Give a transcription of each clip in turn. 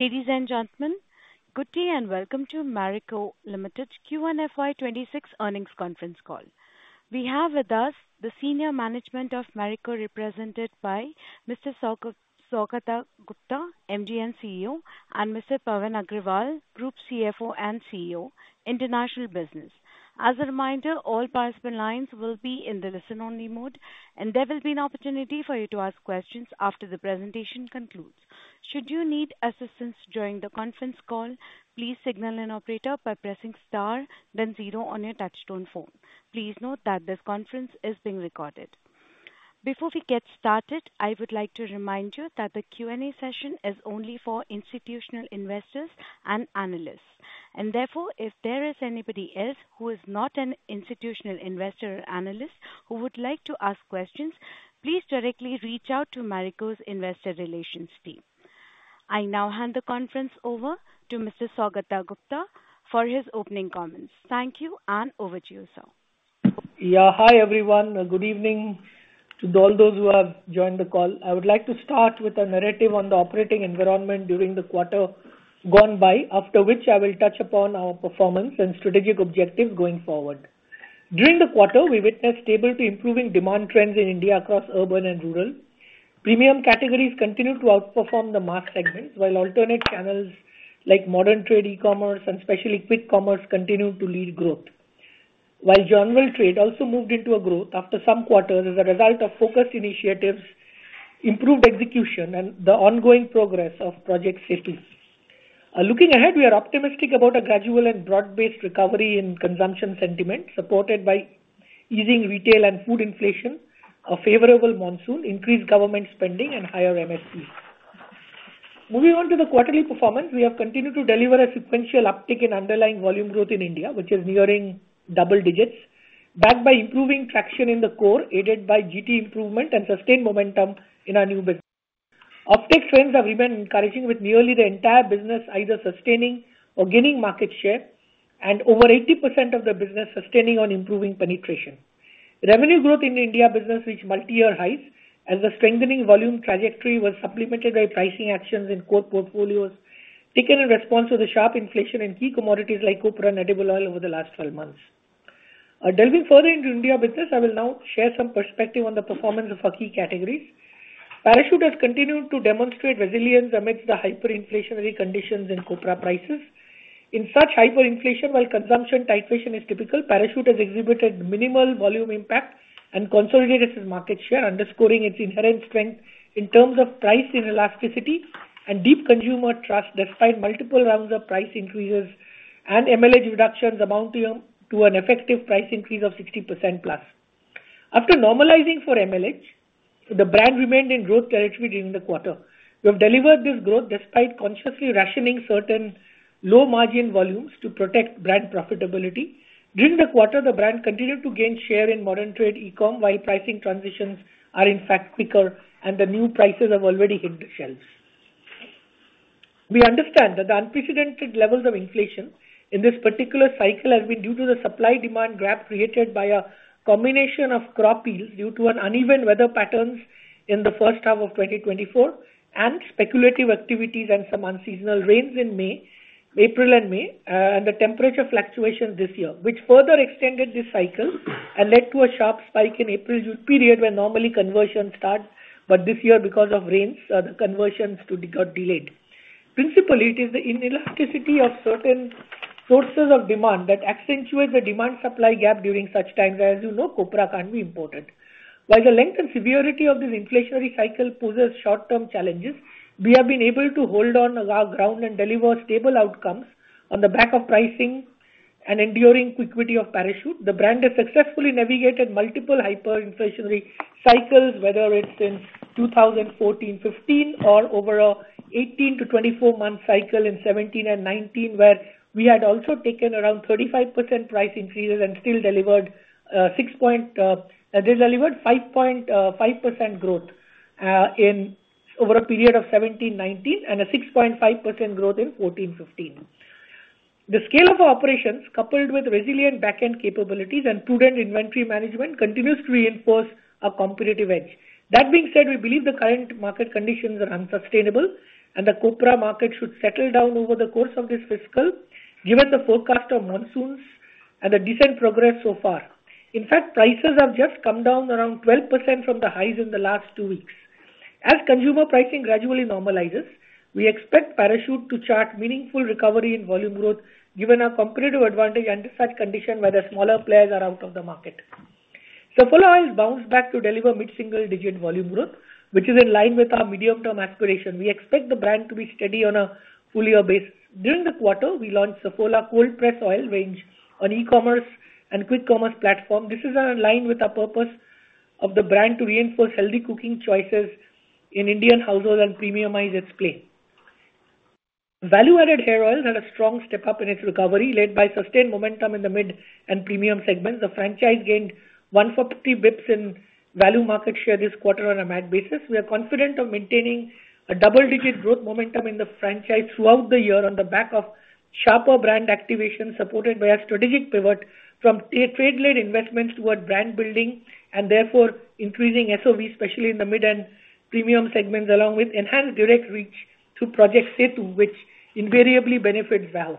Ladies and gentlemen, good day and welcome to Marico Limited Q1 FY 2026 earnings conference call. We have with us the senior management of Marico represented by Mr. Saugata Gupta, MD & CEO, and Mr. Pawan Agrawal, Group CFO & CEO International Business. As a reminder, all participant lines will be in the listen-only mode and there will be an opportunity for you to ask questions after the presentation concludes. Should you need assistance during the conference call, please signal an operator by pressing star then zero on your touch-tone phone. Please note that this conference is being recorded. Before we get started, I would like to remind you that the Q&A session is only for institutional investors and analysts. Therefore, if there is anybody else who is not an institutional investor or analyst who would like to ask questions, please directly reach out to Marico's investor relations team. I now hand the conference over to Mr. Saugata Gupta for his opening comments. Thank you, and over to you, sir. Yeah. Hi everyone. Good evening to all those who have joined the call. I would like to start with a narrative on the operating environment during the quarter gone by, after which I will touch upon our performance and strategic objectives going forward. During the quarter, we witnessed stability, improving demand trends in India across urban and rural. Premium categories continue to outperform the mass segment, while alternate channels like modern trade, e-commerce, and especially quick commerce continue to lead growth. While modern trade also moved into growth after some quarters as a result of focused initiatives, improved execution, and the ongoing progress of project safeties. Looking ahead, we are optimistic about a gradual and broad-based recovery in consumption sentiment supported by easing retail and food inflation, a favorable monsoon, increased government spending, and higher MSC. Moving on to the quarterly performance, we have continued to deliver a sequential uptick in underlying volume growth in India, which is nearing double digits, backed by improving traction in the core aided by GT improvement and sustained momentum in our new business. Optics trends have been encouraging, with nearly the entire business either sustaining or gaining market share and over 80% of the business sustaining on improving penetration. Revenue growth in the India business reached multi-year highs, and the strengthening volume trajectory was supplemented by pricing actions in core portfolios taken in response to the sharp inflation in key commodities like copra nut oil over the last 12 months. Delving further into India with this, I will now share some perspective on the performance of our key categories. Parachute has continued to demonstrate resilience amidst the hyperinflationary conditions in copra prices. In such hyperinflation, while consumption typeface is typical, Parachute has exhibited minimal volume impact and consolidated its market share, underscoring its inherent strength in terms of price inelasticity and deep consumer trust. Despite multiple rounds of price increases and MLH reductions amounting to an effective price increase of 60% plus after normalizing for MLH, the brand remained in growth territory during the quarter. We have delivered this growth despite consciously rationing certain low margin volumes to protect brand profitability. During the quarter, the brand continued to gain share in modern trade, e-com. While pricing transitions are in fact quicker and the new prices have already hit the shelves, we understand that the unprecedented levels of inflation in this particular cycle have been due to the supply-demand graph created by a combination of crop yield due to uneven weather patterns in the first half of 2024 and speculative activities and some unseasonal rains in April and May and the temperature fluctuations this year, which further extended this cycle and led to a sharp spike in the April period when normally conversion starts. This year, because of rains, the conversions got delayed. Principally, it is the inelasticity of certain sources of demand that accentuates the demand-supply gap during such times, as you know copra can't be imported. While the length and severity of this inflationary cycle pose short-term challenges, we have been able to hold on our ground and deliver stable outcomes on the back of pricing and enduring equity of Parachute. The brand has successfully navigated multiple hyperinflationary cycles, whether it's in 2014-2015 or over an 18 months-24 month cycle in 2017 and 2019, where we had also taken around 35% price increases and still delivered 5.5% growth over a period of 2017-2019 and a 6.5% growth in 2014-2015. The scale of operations, coupled with resilient back-end capabilities and prudent inventory management, continues to reinforce a competitive edge. That being said, we believe the current market conditions are unsustainable and the copra market should settle down over the course of this fiscal, given a forecast of monsoons and a decent progress so far. In fact, prices have just come down around 12% from the highs in the last two weeks. As consumer pricing gradually normalizes, we expect Parachute to chart meaningful recovery in volume growth. Given our competitive advantage under such conditions where the smaller players are out of the market, Saffola Oil bounced back to deliver mid-single-digit volume growth, which is in line with our medium-term aspiration. We expect the brand to be steady on a full-year basis. During the quarter, we launched Saffola Cold Press Oil range on e-commerce and quick commerce platforms. This is in line with our purpose of the brand to reinforce healthy cooking choices in Indian households and premiumize its play value. Value-added hair oils had a strong step up in its recovery, led by sustained momentum in the mid and premium segments. The franchise gained 140 bps in value market share this quarter. On a MAT basis we are confident of maintaining a double digit growth momentum in the franchise throughout the year on the back of sharper brand activation supported by a strategic pivot from trade-led investments toward brand building and therefore increasing SOV especially in the mid and premium segments along with enhanced direct reach through Project SETU which invariably benefits while.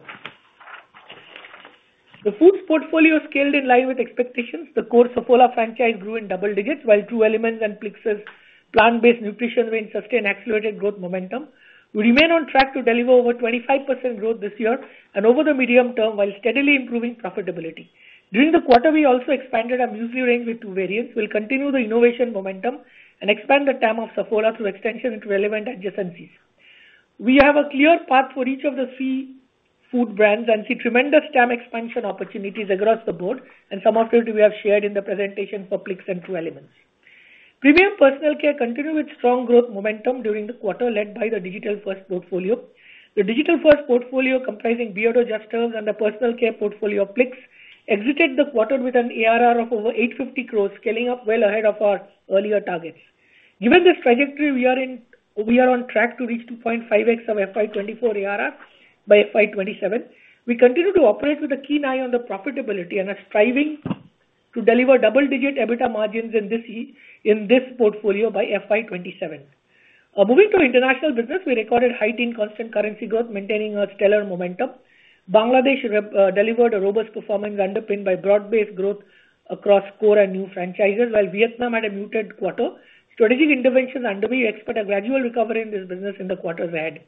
The foods portfolio scaled in line with expectations. The core Saffola franchise grew in double digits while True Elements and Plix's plant-based nutrition range sustained accelerated growth momentum. We remain on track to deliver over 25% growth this year and over the medium term while steadily improving profitability. During the quarter, we also expanded our muesli range with two variants. We will continue the innovation momentum and expand the TAM of Saffola through extension into relevant adjacencies. We have a clear path for each of the three food brands and see tremendous TAM expansion opportunities across the board and some of it we have shared in the presentation for ClickCentral. The premium personal care segment continued with strong growth momentum during the quarter led by the digital-first portfolio. The digital-first portfolio comprising Beardo, Just Herbs, and a personal care portfolio of Plix exited the quarter with an ARR of over 850 crore, scaling up well ahead of our earlier targets. Given this trajectory we are on track to reach 2.5x of FY 2024 ARR by FY 2027. We continue to operate with a keen eye on the profitability and are striving to deliver double digit EBITDA margins in this portfolio by FY 2027. Moving to international business, we recorded high teen constant currency growth maintaining a stellar momentum. Bangladesh delivered a robust performance underpinned by broad-based growth across core and new franchises while Vietnam had a muted quarter. Strategic interventions are underway. We expect a gradual recovery in this business in the quarters ahead.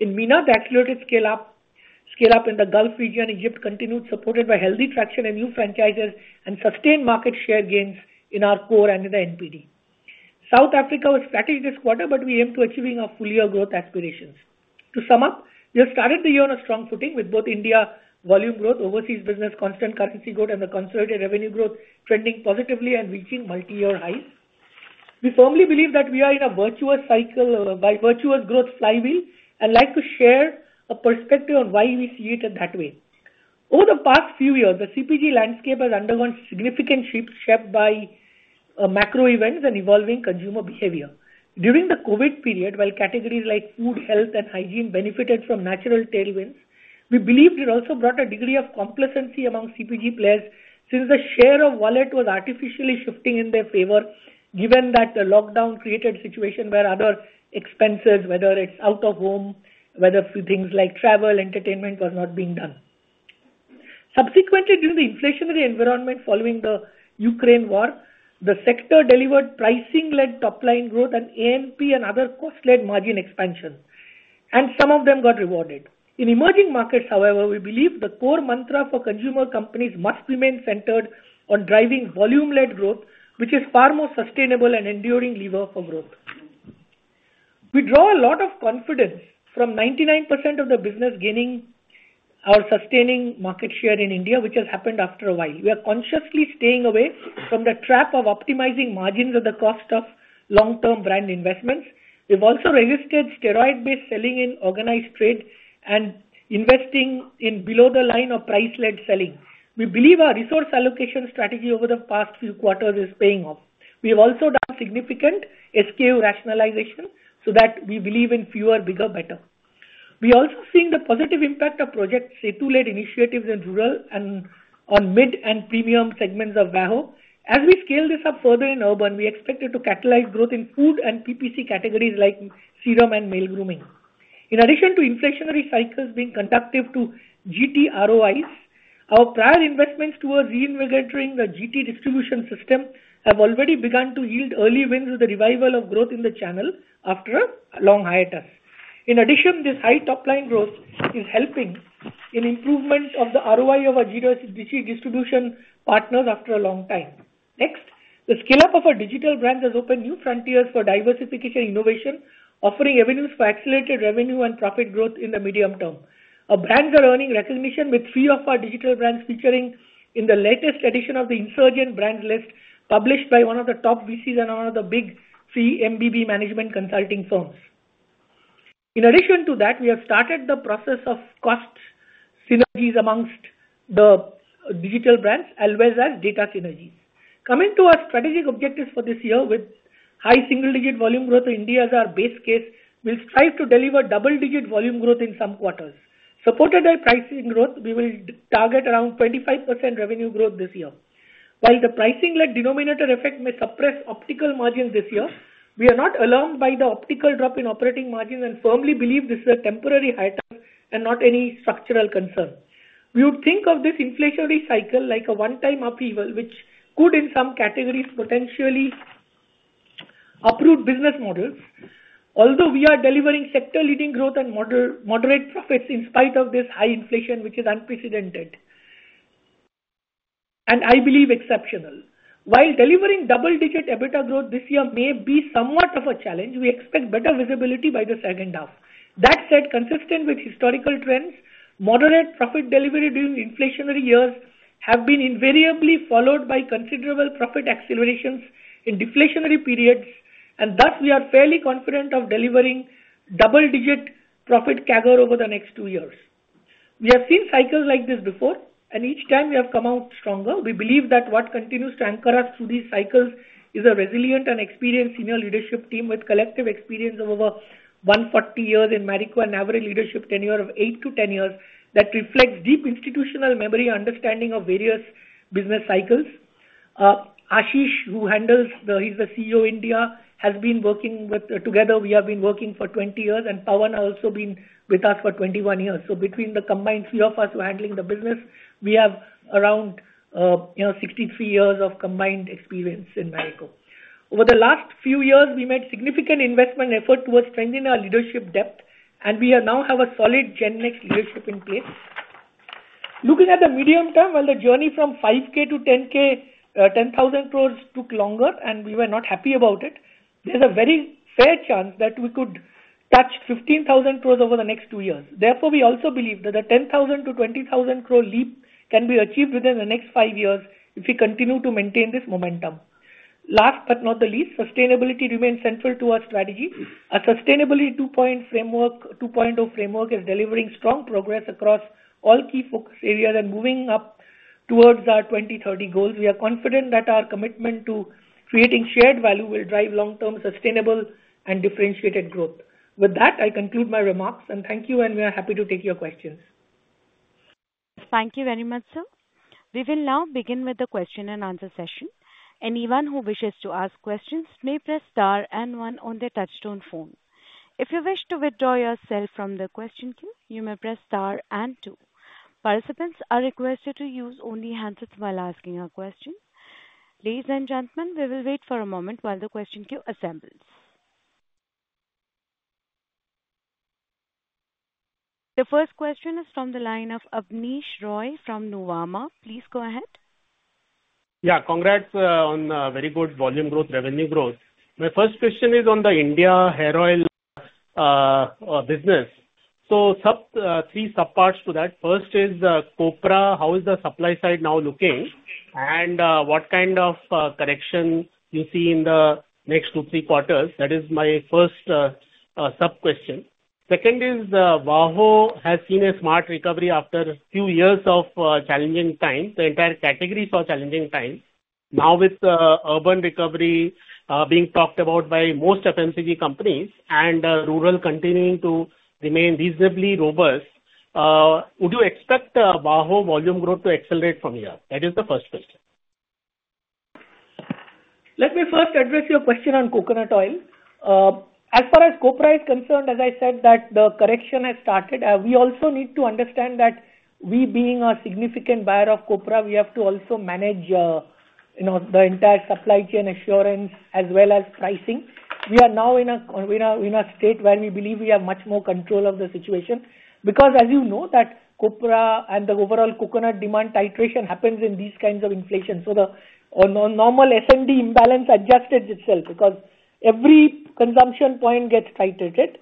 In MENA, the accelerated scale up in the Gulf region and Egypt continued, supported by healthy traction in new franchises and sustained market share gains in our core and in the NPD. South Africa was flattish this quarter but we aim to achieve our full year growth aspirations. To sum up, we have started the year on a strong footing with both India volume growth, overseas business constant currency growth, and the consolidated revenue growth trending positively and reaching multi-year highs. We firmly believe that we are in a virtuous cycle by virtuous growth slightly. I'd like to share a perspective on why we see it that way. Over the past few years, the CPG landscape has undergone significant change shaped by macro events and evolving consumer behavior. During the COVID period, while categories like food, health, and hygiene benefited from natural tailwinds, we believe it also brought a degree of complacency among CPG players since the share of wallet was artificially shifting in their favor. Given that the lockdown created a situation where other expenses, whether it's out of home, whether things like travel, entertainment was not being done, subsequently due to the inflationary environment following the Ukraine war, the sector delivered pricing-led top line growth and ANP and other cost-led margin expansion, and some of them got rewarded in emerging markets. However, we believe the core mantra for consumer companies must remain centered on driving volume-led growth, which is a far more sustainable and enduring lever for growth. We draw a lot of confidence from 99% of the business gaining or sustaining market share in India, which has happened after a while. We are consciously staying away from the trap of optimizing margins at the cost of long-term brand investments. We've also registered steroid-based selling in organized trade and investing in below-the-line of price-led selling. We believe our resource allocation strategy over the past few quarters is paying off. We have also done significant SKU rationalization so that we believe in fewer, bigger, better. We are also seeing the positive impact of Project SETU-led initiatives in rural and on mid and premium segments of WAHO. As we scale this up further in urban, we expect it to capitalize growth in food and PPC categories like serum and male grooming. In addition to inflationary cycles being conducive to GT ROIs, our prior investments towards reinvigorating the GT distribution system have already begun to yield early wins with the revival of growth in the channel after a long hiatus. In addition, this high top line growth is helping in improvements of the ROI of our GDS distribution partners after a long time. Next, the scale up of our digital brands has opened new frontiers for diversification, innovation, offering avenues for accelerated revenue and profit growth in the medium term. A brand earning recognition with three of our digital brands featuring in the latest edition of the Insurgent Brands list published by one of the top VCs and one of the big C MBB management consulting firms. In addition to that, we have started the process of cost synergies amongst the digital brands as well as data synergies. Coming to our strategic objectives for this year, with high single digit volume growth in India as our base case, we will strive to deliver double digit volume growth in some quarters supported by pricing growth. We will target around 25% revenue growth this year. While the pricing led denominator effect may suppress optical margins this year, we are not alarmed by the optical drop in operating margin and firmly believe this is a temporary hike and not any structural concern. We would think of this inflationary cycle like a 1x upheaval which could in some categories potentially upend business models. Although we are delivering sector leading growth and moderate profits in spite of this high inflation which is unprecedented and I believe exceptional, while delivering double digit EBITDA growth this year may be somewhat of a challenge, we expect better visibility by the second half. That said, consistent with historical trends, moderate profit delivery during inflationary years has been invariably followed by considerable profit accelerations in deflationary periods and thus we are fairly confident of delivering double digit profit CAGR over the next two years. We have seen cycles like this before and each time we have come out stronger. We believe that what continues to anchor us through these cycles is a resilient and experienced senior leadership team with collective experience of over 140 years in Marico and average leadership tenure of eight to 10 years that reflect deep institutional memory and understanding of various business cycles. Ashish, who handles the, he's the CEO India, has been working with us. Together we have been working for 20 years and Pawan also has been with us for 21 years. So between the combined three of us who are handling the business, we have around 63 years of combined experience in Marico. Over the last few years, we made significant investment effort towards strengthening our leadership depth and we now have a solid GenNext leadership in place. Looking at the medium term, while the journey from 5,000 crore-10,000 crore took longer and we were not happy about it, there's a very fair chance that we could touch 15,000 crore over the next two years. Therefore, we also believe that a 10,000 crore to 20,000 crore leap can be achieved within the next five years if we continue to maintain this momentum. Last but not the least, sustainability remains central to our strategy. A Sustainability 2.0 framework is delivering strong progress across all key focus areas and moving up towards our 2030 goals. We are confident that our commitment to creating shared value will drive long-term sustainable and differentiated growth. With that, I conclude my remarks and thank you and we are happy to take your questions. Thank you very much, sir. We will now begin with the question and answer session. Anyone who wishes to ask questions may press star and one on their touchstone phone. If you wish to withdraw yourself from the question queue, you may press star and two. Participants are requested to use only handsets while asking a question. Ladies and gentlemen, we will wait for a moment while the question queue assembles. The first question is from the line of Abneesh Roy from Nuvama Wealth Management Limited. Please go ahead. Yeah, congrats on very good volume growth, revenue growth. My first question is on the India hair oil business. Three subparts to that. First is copra. How is the supply side now looking, and what kind of correction do you see in the next two or three quarters? That is my first sub question. Second is WAHO has seen a smart recovery after a few years of challenging times. The entire category faced challenging times. Now, with the urban recovery being talked about by most FMCG companies and rural continuing to remain reasonably robust, would you expect WAHO volume growth to accelerate from here? That is the first question. Let me first address your question on coconut oil. As far as copra is concerned, as I said that the correction has started. We also need to understand that we being a significant buyer of copra, we have to also manage the entire supply chain assurance as well as pricing. We are now in a state where we believe we have much more control of the situation because as you know that copra and the overall coconut demand titration happens in these kinds of inflation. The normal S&D imbalance adjusted itself because every consumption point gets titrated.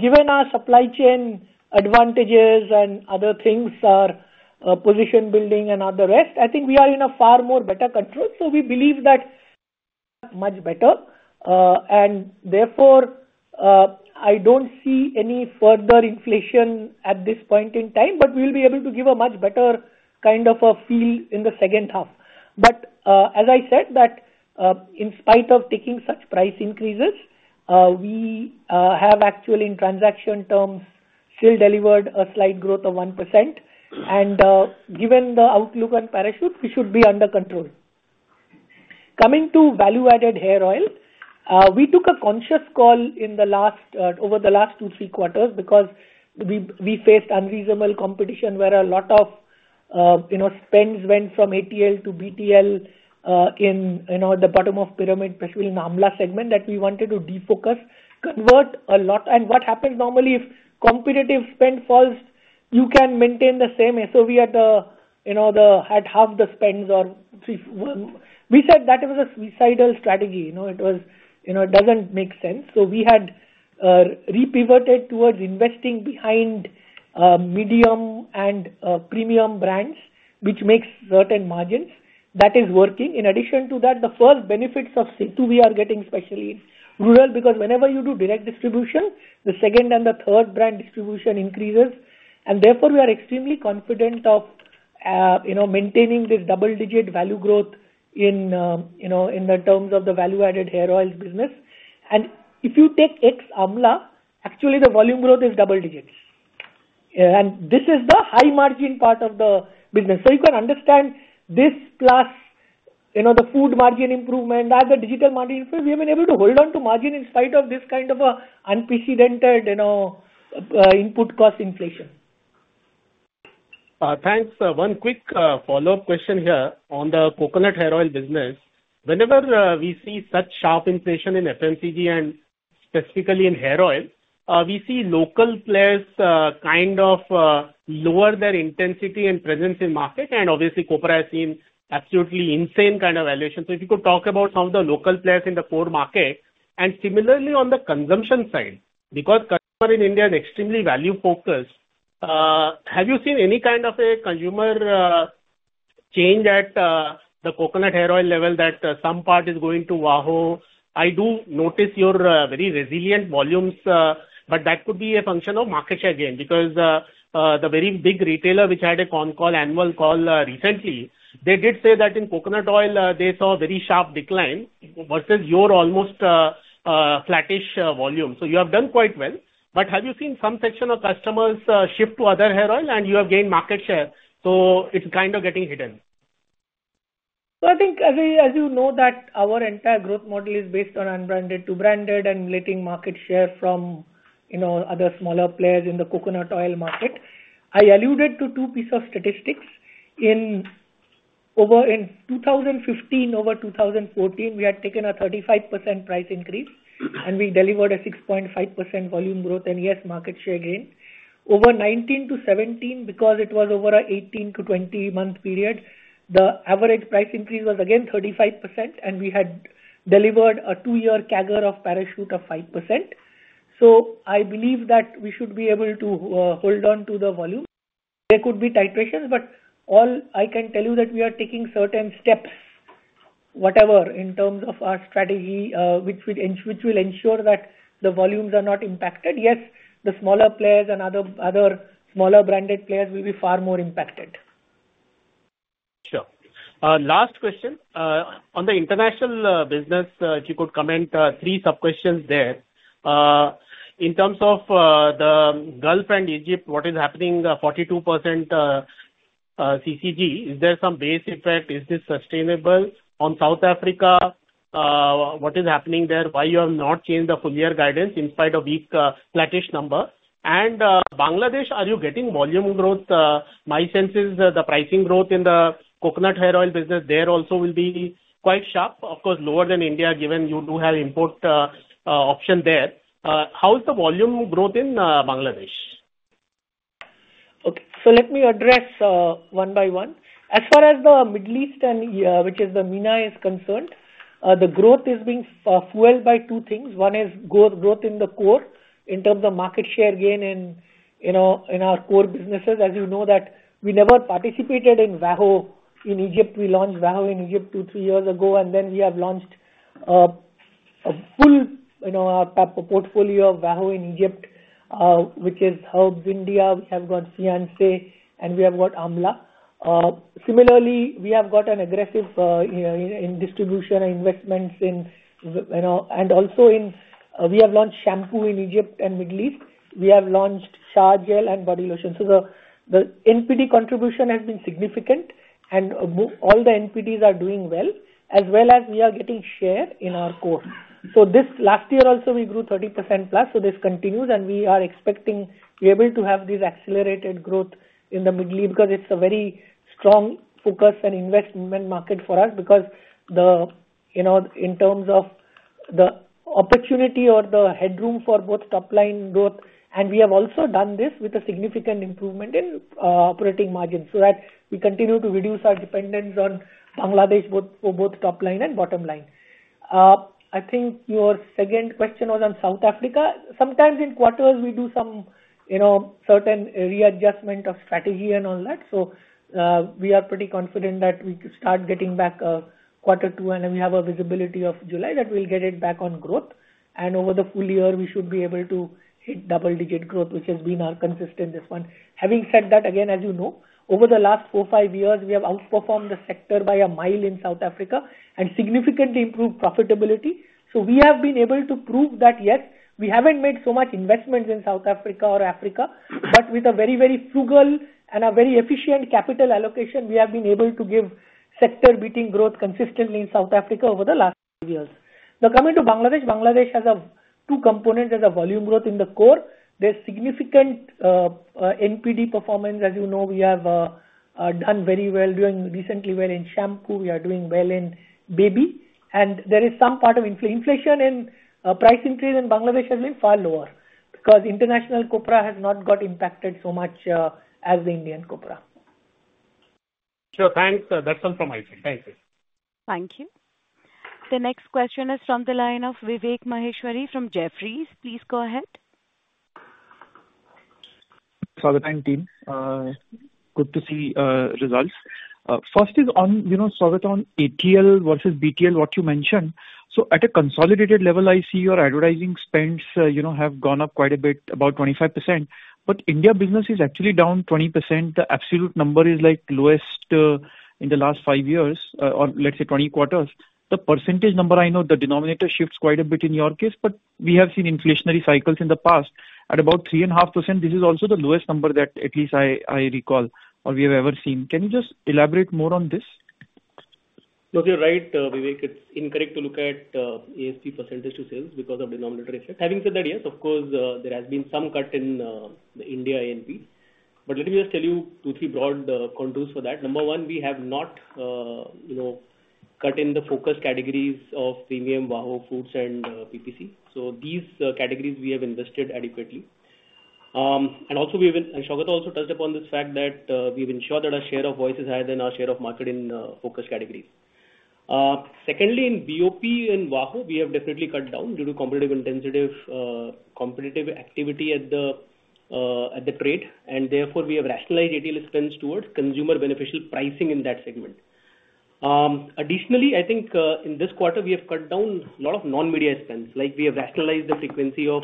Given our supply chain advantages and other things, our position building and other rest, I think we are in a far more better control. We believe that much better and therefore I don't see any further inflation at this point in time. We will be able to give a much better kind of a feel in the second half. As I said that in spite of taking such price increases, we have actually in transaction terms still delivered a slight growth of 1% and given the outlook on Parachute we should be under control. Coming to value-added hair oil, we took a conscious call over the last two three quarters because we faced unreasonable competition where a lot of, you know, spends went from ATL to BTL in the bottom of pyramid, especially in amla segment that we wanted to defocus convert a lot. What happens normally if competitive spend falls? You can maintain the same SOV at, you know, at half the spends or we said that it was a suicidal strategy, you know, it was, you know, it doesn't make sense. We had re-pivoted towards investing behind medium and premium brands which makes certain margins that is working. In addition to that, the first benefits of SETU we are getting especially rural because whenever you do direct distribution, the second and the third brand distribution increases and therefore we are extremely confident of maintaining this double-digit value growth in terms of the value-added hair oils business. If you take X Amla, actually the volume growth is double digits and this is the high margin part of the business. You can understand this. Plus, you know, the food margin improvement as the digital margin. We have been able to hold on to margin in spite of this kind of unprecedented input cost inflation. Thanks. One quick follow-up question here on the coconut hair oil business. Whenever we see such sharp inflation in FMCG and specifically in hair oil, we see local players kind of lower their intensity and presence in market, and obviously copra has seen absolutely insane kind of valuation. If you could talk about some of the local players in the core market and similarly on the consumption side because customer in India is extremely value focused. Have you seen any kind of a consumer change at the coconut hair oil? Level that some part is going to WAHO? I do notice your very resilient volumes, but that could be a function of market share gain because the very big retailer which had an annual call recently, they did say that in coconut oil they saw a very sharp decline versus your almost flattish volume. You have done quite well. Have you seen some section of Customers shift to other hair oil. You have gained market share, so it's kind of getting hidden. I think as you know that our entire growth model is based on unbranded to branded and letting market share from other smaller players in the coconut oil market. I alluded to two pieces of statistics. In 2015, over 2014, we had taken a 35% price increase and we delivered a 6.5% volume growth and yes, market share gain over 2019-2017 because it was over an 18 month-20 month period. The average price increase was again 35% and we had delivered a two year CAGR of Parachute of 5%. I believe that we should be able to hold on to the volume. There could be titrations but all I can tell you is that we are taking certain steps, whatever in terms of our strategy, which will ensure that the volumes are not impacted. Yes, the smaller players and other smaller branded players will be far more impacted. Sure. Last question on the international business, if you could comment, three sub questions there. In terms of the Gulf and Egypt, what is happening, 42% CAGR, is there some base effect, is this sustainable? On South Africa, what is happening there, why have you not changed the full year guidance in spite of each flattish number? And Bangladesh, are you getting volume growth? My sense is the pricing growth in the coconut hair oil business there also. Will be quite sharp. Of course, lower than India given you do have import option there. How is the volume growth in Bangladesh? Okay, so let me address one by one. As far as the Middle East, which is the MENA is concerned, the growth is being fueled by two things. One is growth in the core in terms of market share gain in our core businesses. As you know, we never participated in WAHO in Egypt. We launched WAHO in Egypt two, three years ago and then we have launched full portfolio of WAHO in Egypt, which is Herbs India. We have got Fiancee and we have got Amla. Similarly, we have got an aggressive distribution investment in, and also we have launched shampoo in Egypt and Middle East. We have launched shower gel and body lotion. The NPD contribution has been significant and all the NPDs are doing well, as well as we are getting share in our core. Last year also we grew 30%+. This continues and we are expecting we're able to have this accelerated growth in the Middle East because it's a very strong focus and investment market for us, because in terms of the opportunity or the headroom for both top line growth, and we have also done this with a significant improvement in operating margin so that we continue to reduce our dependence on Bangladesh for both top line and bottom line. I think your second question was on South Africa. Sometimes in quarters we do certain area adjustment of strategy and all that. We are pretty confident that we start getting back quarter two and we have a visibility of July that we'll get it back on growth and over the full year we should be able to hit double digit growth, which has been our consistent this one. Having said that, again, as you know, over the last four, five years we have outperformed the sector by a mile in South Africa and significantly improved profitability. We have been able to prove that yes, we haven't made so much investments in South Africa or Africa, but with a very, very frugal and a very efficient capital allocation we have been able to give sector beating growth consistently in South Africa over the last few years. Now coming to Bangladesh, Bangladesh has two components. As a volume growth in the core, there's significant NPD performance. As you know, we have done very well, doing recently well in shampoo, we are doing well in baby, and there is some part of inflation in. Price increase in Bangladesh has been far lower because international copra has not got impacted so much as the Indian copra. Sure, thanks. That's all from my side. Thank you. Thank you. The next question is from the line of Vivek Maheshwari from Jefferies. Please go ahead. Team, good to see results. First is on, you know, Saugata on ATL versus BTL, what you mentioned. At a consolidated level I see your advertising spends have gone up quite a bit, about 25%. India business is actually down 20%. The absolute number is like lowest in the last five years or let's say 20 quarters, the percentage number. I know the denominator shifts quite a bit in your case, but we have seen inflationary cycles in the past at about 3.5%. This is also the lowest number that at least I recall or we have ever seen. Can you just elaborate more on this? Look, you're right Vivek, it's incorrect to look at ASP percentage to sales because of denominator effect. Having said that, yes, of course there has been some cut in the India input. Let me just tell you two, three broad contours for that. Number one, we have not cut in the focus categories of premium, Bahoo Foods, and PPC. These categories we have invested adequately and also touched upon this fact that we've ensured that our share of voice is higher than our share of market in focus categories. Secondly, in BoP and WAHO, we have definitely cut down due to competitive activity at the trade and therefore we have rationalized ATL spends towards consumer beneficial pricing in that segment. Additionally, in this quarter we have cut down a lot of non-media spend. We have rationalized the frequency of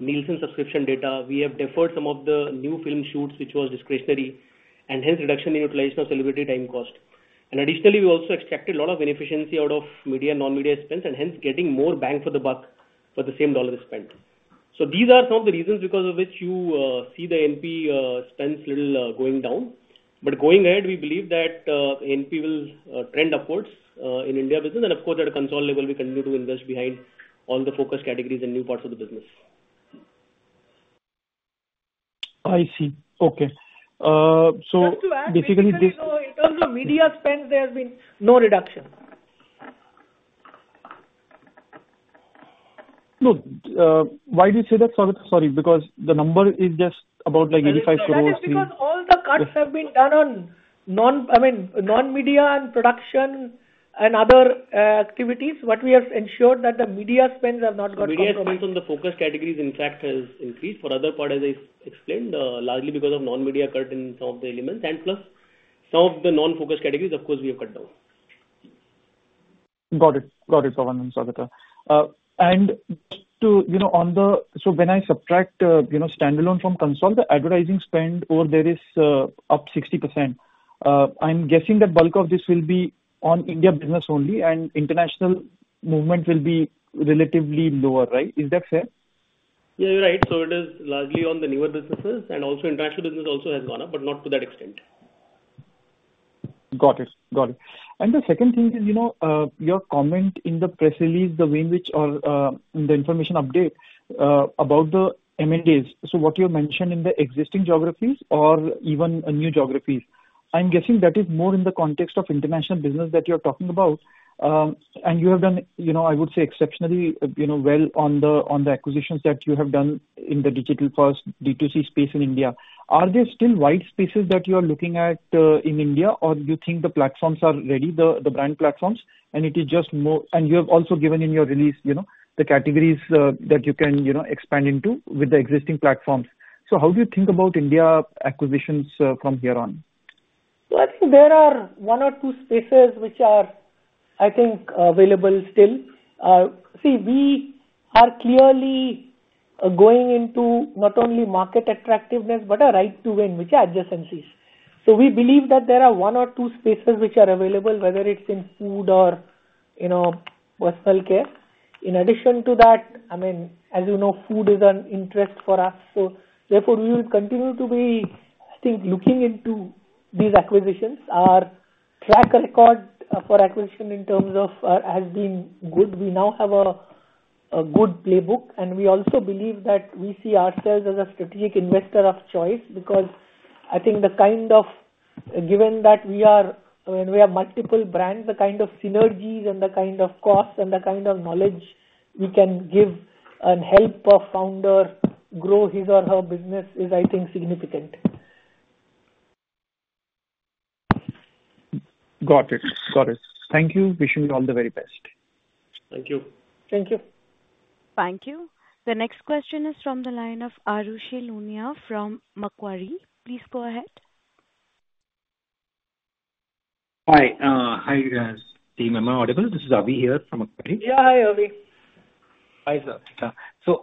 Nielsen subscription data, we have deferred some of the new film shoots which was discretionary and hence reduction in utilization of celebrity time cost. Additionally, we also extracted a lot of inefficiency out of media and non-media spends and hence getting more bang for the buck for the same dollar spent. These are some of the reasons because of which you see the NP spends little going down but going ahead. We believe that NP will trend upwards in India business. At a consolidated level we continue to invest behind all the focus categories and new parts of the business. I see. Okay, so basically. In terms of media. Spend, there's been no reduction. No. Why do you say that? Sorry, because the number is just about 85 crore. Because all the cuts have been done on non, I mean non-media and production and other activities. What we have ensured is that the media. Spends have not gotten. the focus categories. In fact, has increased for other part, as I explained, largely because of non-media cut in some of the elements, and plus some of the non-focused categories, of course, we have cut down. Got it, got it. To, you know, on the. When I subtract, you know, standalone from console, the advertising spend or there is up 60%. I'm guessing that bulk of this will be on India business only and international movement will be relatively lower. Right. Is that fair? Yeah, you're right. It is largely on the newer businesses, and also international business has gone up, but not to that extent. Got it, got it. The second thing is, your comment in the press release, the way in which or the information update about the MNDs. What you mentioned in the existing geographies or even a new geography, I'm guessing that is more in the context of international business that you're talking about. You have done, I would say, exceptionally well on the acquisitions that you have done in the digital-first D2C space in India. Are there still white spaces that you are looking at in India, or you think the platforms are ready, the brand platforms, and it is just more? You have also given in your release the categories that you can expand into with the existing platforms. How do you think about India acquisitions from here on? I think there are one or two spaces which are, I think, available still. We are clearly going into not only market attractiveness but a right to win which are adjacencies. We believe that there are one or two spaces which are available, whether it's in food or personal care. In addition to that, as you know, food is an interest for us. Therefore, we will continue to be still looking into these acquisitions. Our track record for acquisition has been big. We now have a good playbook, and we also believe that we see ourselves as a strategic investor of choice because, given that we are when we have multiple brands, the kind of synergies and the kind of cost and the kind of knowledge you can give and help a founder grow his or her business is, I think, significant. Got it, got it. Thank you. Wishing you all the very best. Thank you. Thank you. Thank you. The next question is from the line of Arushi Lunia from Macquarie. Please go ahead. Hi. Hi team. Am I audible? This is Avi here. Yeah, hi Avi.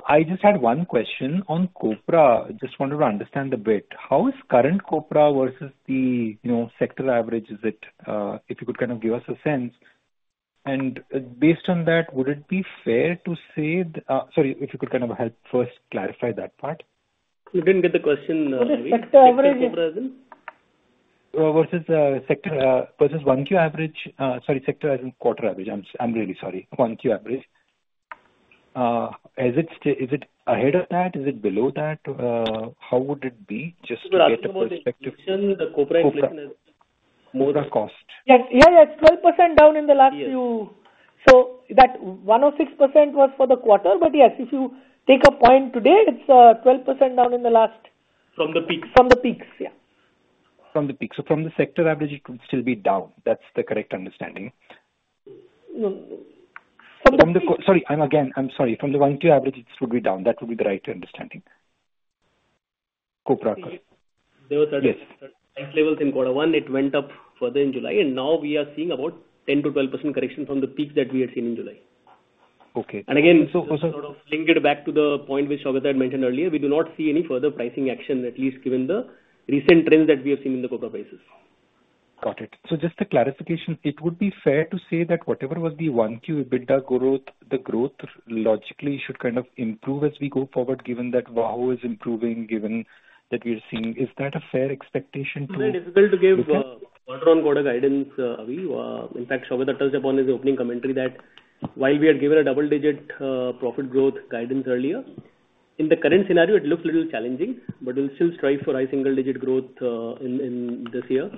I just had one question on copra. Just wanted to understand a bit. How is current copra versus the, you know, sector average? If you could kind of give us a sense and based on that, would it be fair to say—sorry, if you could kind of help first clarify that part. You didn't get the question. Versus the sector versus 1Q average. Sorry, sector as in quarter average. I'm really sorry. 1Q average as in, is it ahead of that? Is it below that? How would it be? Yes, it's 12 down in the last few. That 106% was for the quarter. If you take a point today, it's 12 down in the last. From the peaks. From the peaks. Yeah, from the peak. From the sector average it could still be down. That's the correct understanding. From the one, two average it would be down. That would be the right understanding. Ice levels in quarter one, it went up further in July, and now we are seeing about 10%-12% correction from the peaks that we had seen in July. Again, sort of linked it back to the point which Saugata had mentioned earlier. We do not see any further pricing action, at least given the recent trends that we have seen in the copra prices. Got it. Just a clarification, it would be fair to say that whatever was the 1Q EBITDA growth, the growth logically should kind of improve as we go forward. Given that value-add is improving, given that we are seeing, is that a fair expectation? Is it difficult to give quarter on quarter guidance? In fact, Saugata touched upon his opening commentary that while we had given a double-digit profit growth guidance earlier, in the current scenario it looks a little challenging, but we'll still strive for high single-digit growth in this year.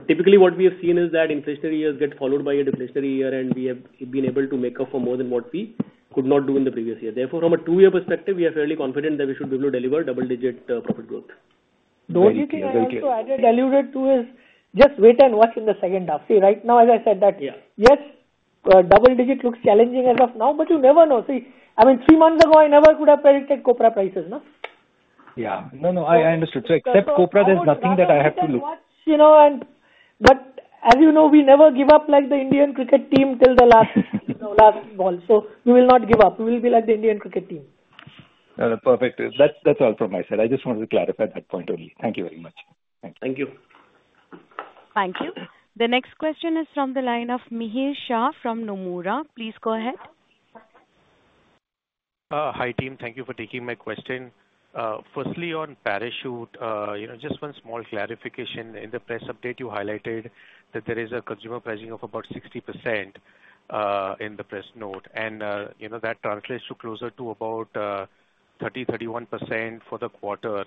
Typically what we have seen is that inflationary years get followed by a deflationary year, and we have been able to make up for more than what we could not do in the previous year. Therefore, from a two-year perspective, we are fairly confident that we should be able to deliver double-digit profit growth. The only thing I alluded to is just wait and watch in the second half. Right now, as I said, yes, double digit looks challenging as of now, but you never know. Three months ago I never could have predicted copra prices. No, I understood. Except copra, there's nothing that I. You know, as you know, we never give up like the Indian cricket team till the last ball, so we will not give up. We will be like the Indian cricket team. Perfect. That's all from my side. I just wanted to clarify that point only. Thank you very much. Thank you. Thank you. The next question is from the line of Mihir Shah from Nomura. Please go ahead. Hi team. Thank you for taking my question. Firstly, on Parachute, just one small clarification in the press update. You highlighted that there is a consumer pricing of about 60% in the press note and that translates to closer to about 30%, 31% for the quarter.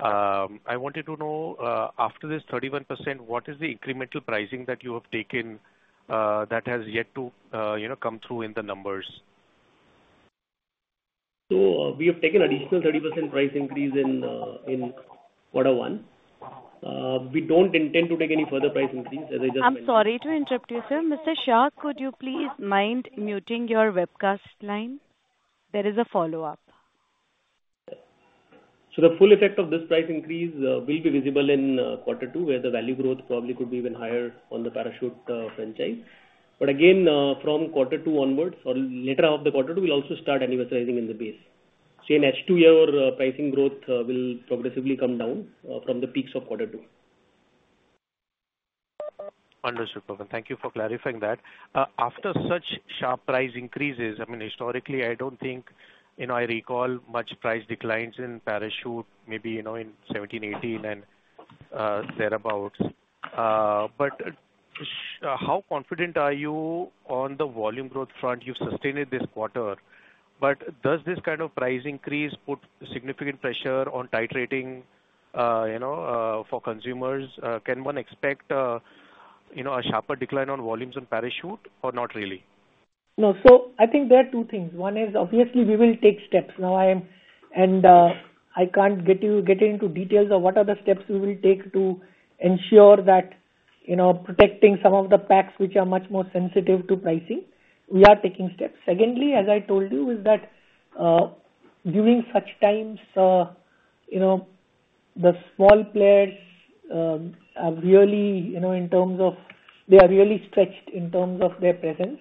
I wanted to know after this 31% what is the incremental pricing that you have taken that has yet to come through in the numbers. We have taken additional 30% price increase in quarter one. We don't intend to take any further price increase. I'm sorry to interrupt you, sir. Mr. Shah, could you please mind muting your webcast line? There is a follow up. The full effect of this price increase will be visible in quarter two, where the value growth probably could be even higher on the Parachute franchise. From quarter two onwards or later in the quarter, we also start advertising in the base. In H2, your pricing growth will progressively come down from the peaks of quarter two. Understood, Pawan, thank you for clarifying that. After such sharp price increases, historically I don't think I recall much price declines in Parachute, maybe in 2017, 2018 and thereabouts. How confident are you on the volume growth front? You've sustained it this quarter. Does this kind of price increase put significant pressure on titrating for consumers? Can one expect a sharper decline on volumes on Parachute or not? Really no. I think there are two things. One is obviously we will take steps. Now I can't get into details of what are the steps we will take to ensure that protecting some of the packs which are much more sensitive to pricing, we are taking steps. Secondly, as I told you, during such times the small players are really stretched in terms of their presence.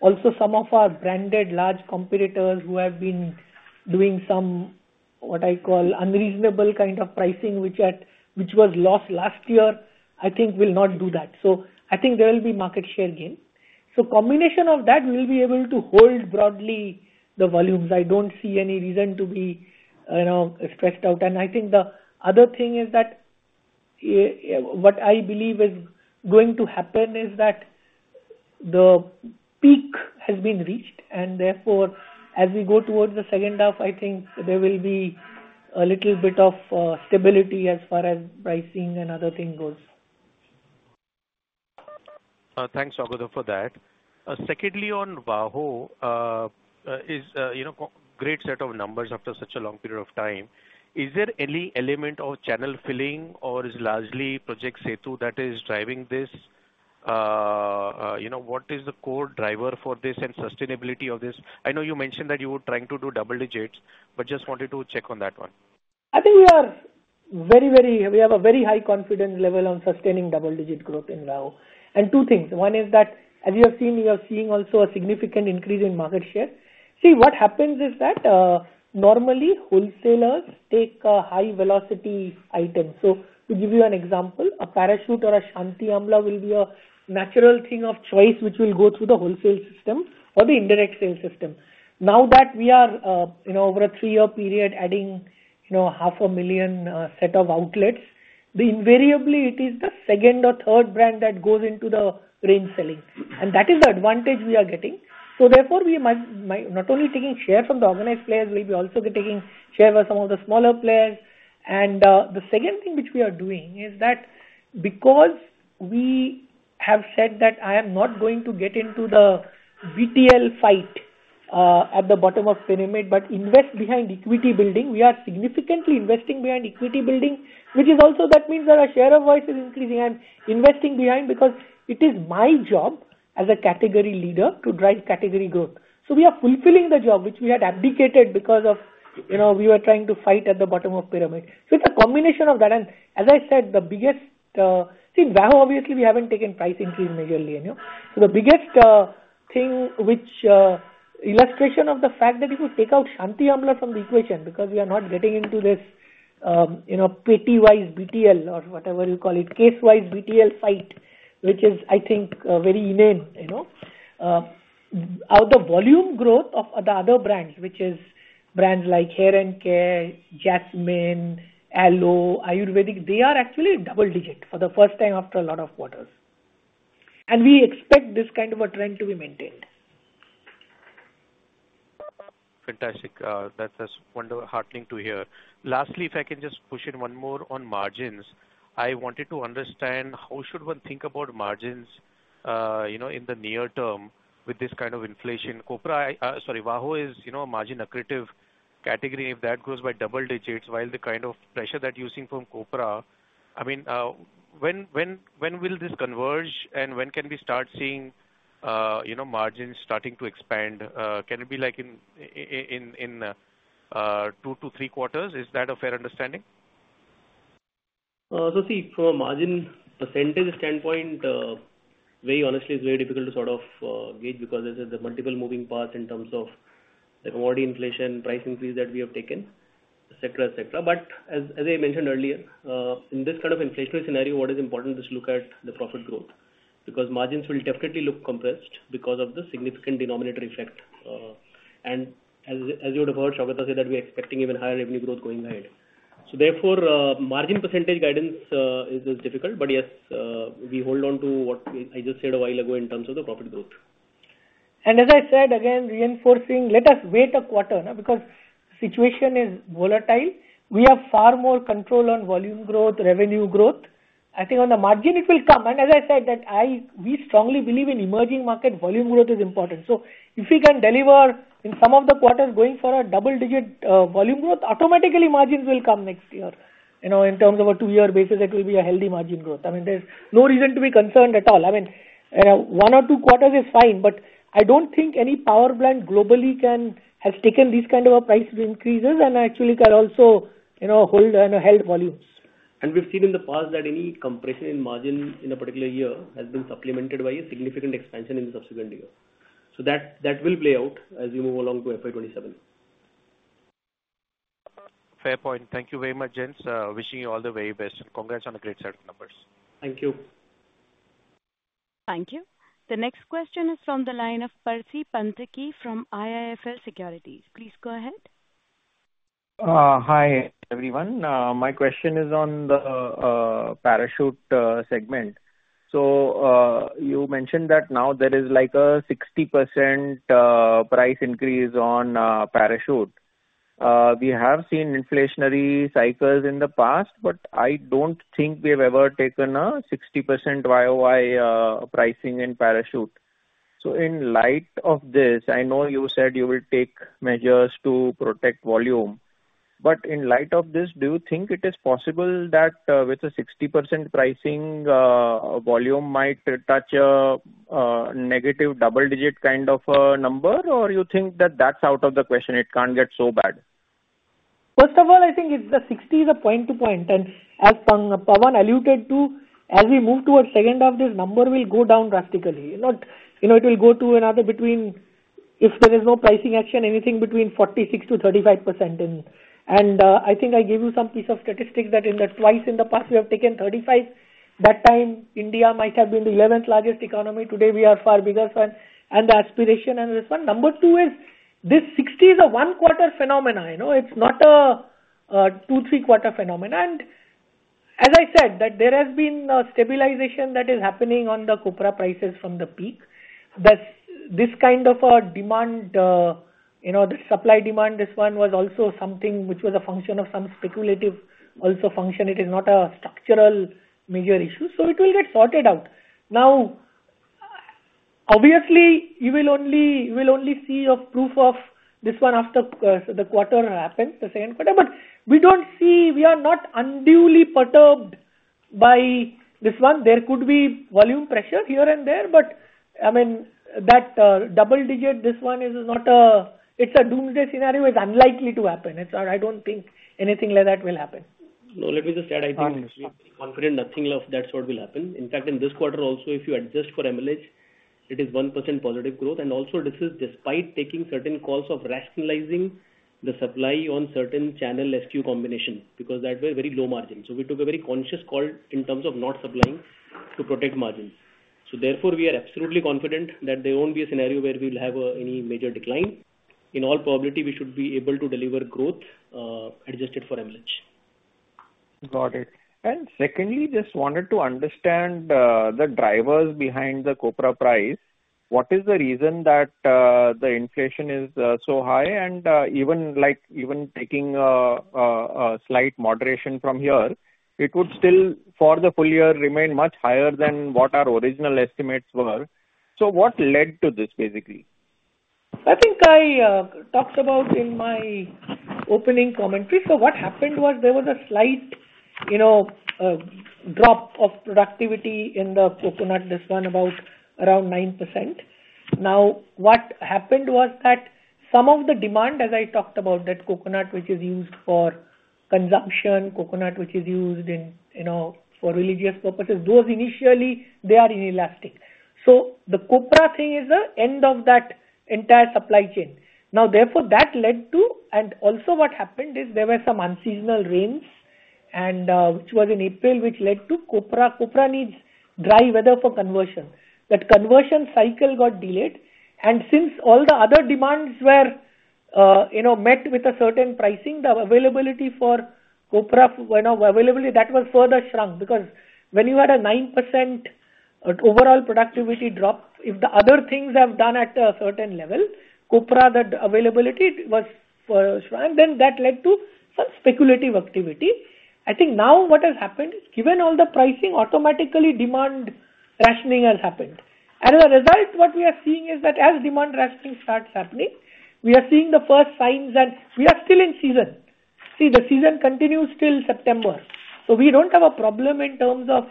Also, some of our branded large competitors who have been doing what I call unreasonable kind of pricing, which was last year, I think will not do that. I think there will be market share gain. A combination of that, we will be able to hold broadly the volumes. I don't see any reason to be stressed out. I think the other thing is that what I believe is going to happen is that the peak has been reached and therefore as we go towards the second half, I think there will be a little bit of stability as far as pricing and other things go. Thanks Abneesh for that. Secondly, on WAHO, it's a great set of numbers after such a long period of time. Is there any element of channel filling or is it largely project SETU that is driving this? You know, what is the core driver for this and sustainability of this? I know you mentioned that you were trying to do double digits, but just wanted to check on that one. I think you are very, very. We have a very high confidence level on sustaining double digit growth in WAHO, and two things. One is that as you have seen, you are seeing also a significant increase in market share. See, what happens is that normally wholesalers take high velocity items. To give you an example, a Parachute or a Shanti Amla will be a natural thing of choice which will go through the wholesale system or the indirect sale system. Now that we are, over a three year period, adding half a million set of outlets, invariably it is the second or third brand that goes into the range selling, and that is the advantage we are getting. Therefore, we are not only taking share from the organized players, we also are taking share with some of the smaller players. The second thing which we are doing is that because we have said that I am not going to get into the BTL fight at the bottom of pyramid but invest behind equity building. We are significantly investing behind equity building, which also means that our share of voice is increasing and investing behind because it is my job as a category leader to drive category growth. We are fulfilling the job which we had abdicated because of, you know, we were trying to fight at the bottom of pyramid. It's a combination of that, and as I said, the biggest, see in WAHO, obviously we haven't taken price increase majorly. The biggest thing, which is illustration of the fact that if you take out Shanti Amla from the equation, because we are not getting into this, you know, PT wise BTL or whatever you call it, case wise BTL fight, which is, I think, very inane. You know, the volume growth of the other brands, which is brands like Hair and Care, Jasmine, Aloe, Ayurvedic, they are actually double digit for the first time after a lot of quarters, and we expect this kind of a trend to be maintained. Fantastic. That's wonderful. Heartening to hear. Lastly, if I can just push in one more on margins, I wanted to understand how should one think about margins in the near term with this kind of inflation. WAHO is margin accretive category. If that goes by double digits, while the kind of pressure that you're seeing from copra, when will this converge and when can we start seeing, you know, margins starting to expand? Can it be like in two to three quarters? Is that a fair understanding? See, from a margin percentage standpoint, very honestly, it is very difficult to sort of gauge because there's multiple moving parts in terms of the commodity inflation, price increase that we have taken, etc. But as I mentioned earlier, in this kind of inflationary scenario, what is important is look at the profit growth because margins will definitely look compressed because of the significant denominator effect. As you would have heard, Saugata said that we're expecting even higher revenue growth going ahead. Therefore, margin percentage guidance is difficult. Yes, we hold on to what I just said a while ago in terms of the profit growth. I said again, reinforcing, let us wait a quarter because situation is volatile. We have far more control on volume growth, revenue growth. I think on the margin it will come, and as I said, we strongly believe in emerging market volume growth is important. If we can deliver in some of the quarters going for a double digit volume growth, automatically margins will come next year. In terms of a two year basis, it will be a healthy margin growth. There is no reason to be concerned at all. One or two quarters is fine, but I don't think any power plant globally has taken these kind of price increases and actually, you know, hold and health volume. We've seen in the past that any compression in margin in a particular year has been supplemented by a significant expansion in the subsequent year. That will play out as we move along to FY 2027. Fair point. Thank you very much, gents. Wishing you all the very best and congrats on the great set of numbers. Thank you. Thank you. The next question is from the line of Percy Panthaki from IIFL Securities. Please go ahead. Hi everyone, my question is on the Parachute segment. You mentioned that now there is like a 60% price increase on Parachute. We have seen inflationary cycles in the past, but I don't think we have ever taken a 60% year-over-year pricing in Parachute. In light of this, I know you said you will take measures to protect volume, but in light of this do you think it is possible that with a 60% pricing volume might touch a negative double-digit kind of a number, or you think that that's out of the question? It can't get so bad. First of all, I think the 60 is a point-to-point, and as Pawan alluded to, as we move towards the second half, this number will go down drastically. It will go to anything between 46%-35% if there is no pricing action. I think I gave you some piece of statistics that twice in the past we have taken 35%. That time, India might have been the 11th largest economy. Today, we are far bigger, and the aspiration and this one. Number two is this 60 is a one-quarter phenomenon. It's not a two- or three-quarter phenomenon. As I said, there has been stabilization that is happening on the copra prices from the peak. That's this kind of a demand, the supply-demand. This one was also something which was a function of some speculative function. It is not a structural major issue. It will get sorted out. Obviously, you will only see a proof of this one after the quarter happens, the second quarter. We don't see, we are not unduly perturbed by this one. There could be volume pressure here and there. I mean that double-digit, this one is not a, it's a doomsday scenario is unlikely to happen. I don't think anything like that will happen. No, let me just add, I think confident nothing of that sort will happen. In fact, in this quarter also, if you adjust for MLH, it is 1% positive growth. This is despite taking certain calls of rationalizing the supply on certain channel SKU combination because that was very low margin. We took a very conscious call in terms of not supplying to protect margins. Therefore, we are absolutely confident that there won't be a scenario where we will have any major decline. In all probability, we should be able to deliver growth adjusted for MLH. Got it. Secondly, just wanted to understand the drivers behind the copra price. What is the reason that the inflation is so high and even taking a slight moderation from here, it would still for the full year remain much higher than what our original estimates were. What led to this, basically. I think I talked about it in my opening commentary. What happened was there was a slight drop of productivity in the coconut. This was about around 9%. What happened was that some of the demand, as I talked about, that coconut which is used for consumption, coconut which is used for religious purposes, those initially are inelastic. The copra thing is the end of that entire supply chain. That led to, also, what happened is there were some unseasonal rains in April, which led to copra. Copra needs dry weather for conversion. That conversion cycle got delayed. Since all the other demands were met with a certain pricing, the availability for copra, availability, that was further shrunk because when you had a 9% overall productivity drop, if the other things have done at a certain level, copra, the availability was. That led to some speculative activity. I think now what has happened is, given all the pricing, automatically demand rationing happened. As a result, what we are seeing is that as demand rationing starts happening, we are seeing the first signs, and we are still in season. The season continues till September. We don't have a problem in terms of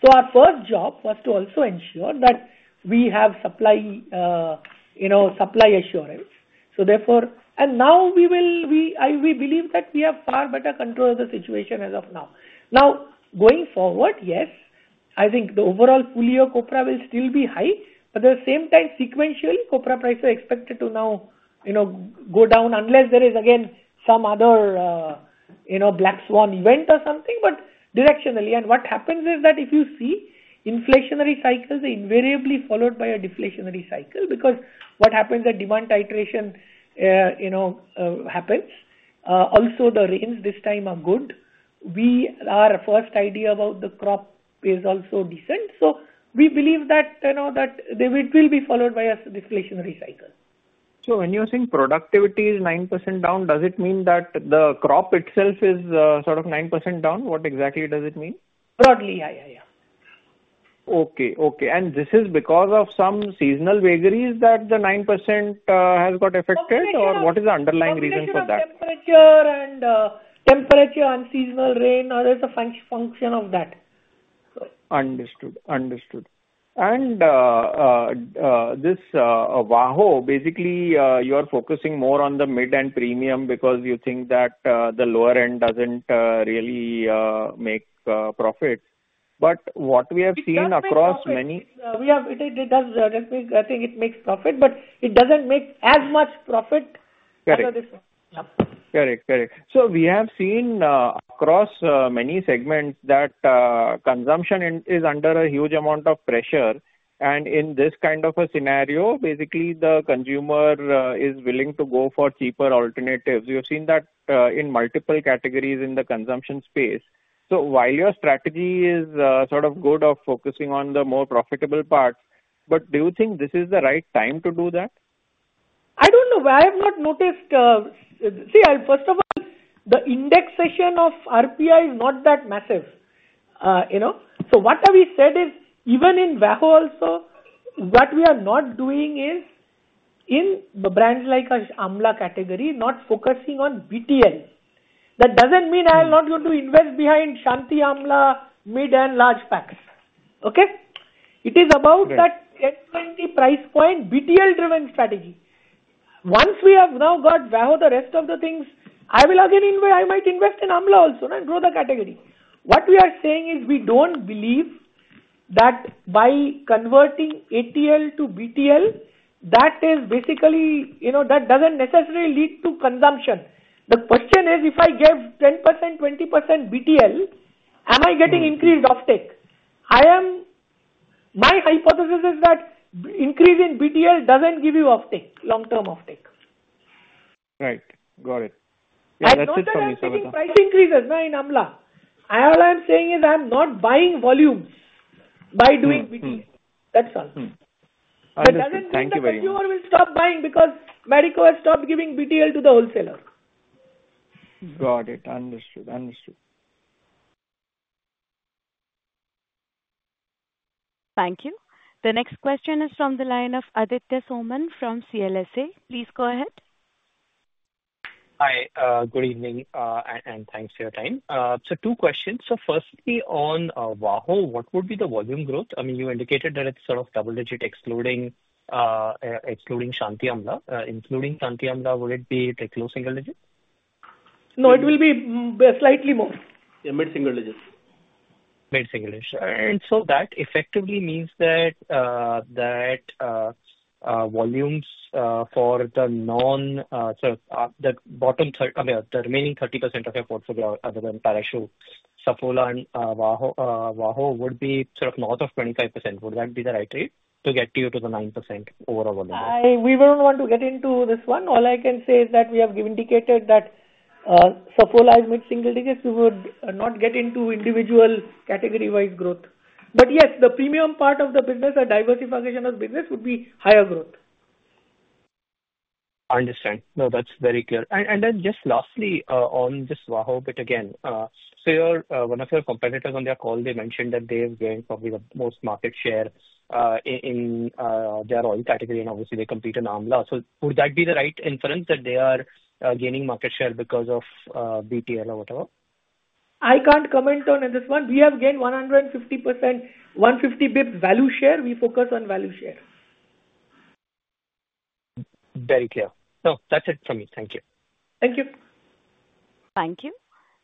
supply. Our first job was to also ensure that we have supply assurance. We believe that we have far better control of the situation as of now. Going forward, yes, I think the overall full-year copra will still be high. At the same time, sequentially, copra price is expected to now go down unless there is again some other black swan event or something. Directionally, what happens is that if you see inflationary cycles, invariably followed by a deflationary cycle because what happens is demand titration happens. Also, the rains this time are good. Our first idea about the crop is also decent. We believe that it will be followed by a deflationary cycle. When you're saying productivity is 9%. Down, does it mean that the crop itself is sort of 9% down? What exactly does it mean? Broadly, yeah, yeah, yeah. Okay, okay. This is because of some seasonal. Vagaries that the 9% has got affected. What is the underlying reason for that? Temperature and temperature, unseasonal rain or as a function of that. Understood, understood. Basically, you are focusing more on the mid and premium because you think that the lower end doesn't really make profit. What we have seen across many. We have, I think it makes profit, but it doesn't make as much profit. Correct, correct. We have seen across many segments that consumption is under a huge amount of pressure. In this kind of a scenario, basically the consumer is willing to go for cheaper alternatives. You have seen that in multiple categories in the consumption space. While your strategy is sort of good of focusing on the more profitable part, do you think this is the right time to do that? I don't know why I have not noticed. First of all, the index session of RPI is not that massive, you know. What we have said is even in Wahoo also what we are not doing is in the brand like Amla category, not focusing on BTL. That doesn't mean I'm not going to invest behind Shanti Amla mid and large packs. It is about that x20 price point BTL driven strategy. Once we have now got WAHO the rest of the things, I might invest in Amla also and grow the category. What we are saying is we don't believe that by converting ATL to BTL, that doesn't necessarily lead to consumption. The question is if I gave 10%, 20% BTL, am I getting increased offtake? My hypothesis is that increase in BTL doesn't give you offtake, long term offtake. Right, got it. Price increases. All I'm saying is I'm not buying volumes by doing. That's all. Thank you very much. You will stop buying because Marico has stopped giving BTL to the wholesaler. Got it. Understood. Understood. Thank you. The next question is from the line of Aditya Soman from CLSA. Please go ahead. Hi, good evening, and thanks for your time. Two questions. Firstly, on WAHO, what would be the volume growth? I mean, you indicated that it's sort of double digit. Excluding Shanti Amla, including Shanti Amla, would it be the close single digit? No, it will be slightly more. Yeah, mid single digits. That effectively means that volumes for the non, the bottom, the remaining 30% of your portfolio other than Parachute, Saffola, and WAHO would be sort of north of 25%. Would that be the right rate to get you to the 9% overall? We don't want to get into this one. All I can say is that we have indicated that mid single digits, you would not get into individual category wise growth. Yes, the premium part of the business or diversification of business would be higher growth. No, that's very clear. Just lastly on this WAHO bit again. One of your competitors, on their call, mentioned that they've gained probably the most market share in their oil category and obviously they compete in Amla. Would that be the right inference that they are gaining market share because of BTL or whatever? I can't comment on this one. We have gained 150%. 150 bps value share. We focus on value share. Very clear. No, that's it for me. Thank you. Thank you. Thank you.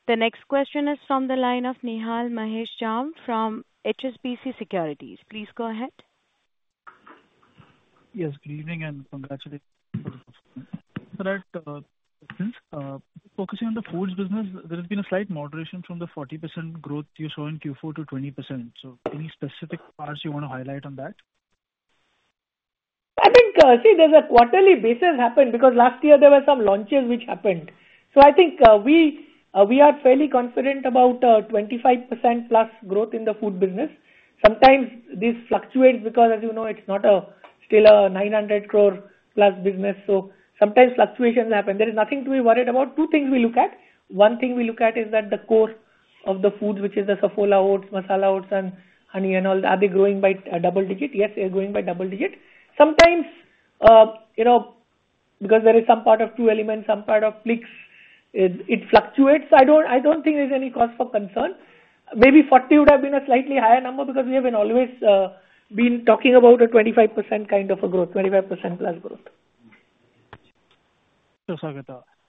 The next question is from the line of Nihal Mahesh Jham from HSBC Securities. Please go ahead. Yes, good evening and congratulations. Focusing on the foods business, there has been a slight moderation from the 40% growth you saw in Q4 to 20%. Any specific parts you want to highlight on that? I think there's a quarterly basis happen because last year there were some launches which happened. I think we are fairly confident about 25% plus growth in the food business. Sometimes this fluctuates because as you know it's not still a 900 crore+ business. Sometimes fluctuations happen. There is nothing to be worried about. Two things we look at. One thing we look at is that the core of the foods, which is the Saffola oats, masala oats, and honey and all, are they growing by double digit? Yes, they are going by double digit. Sometimes, you know, because there is some part of True Elements, some part of Plix, it fluctuates. I don't think there's any cause for concern. Maybe 40% would have been a slightly higher number because we have always been talking about a 25% kind of a growth. 25% plus growth. Is on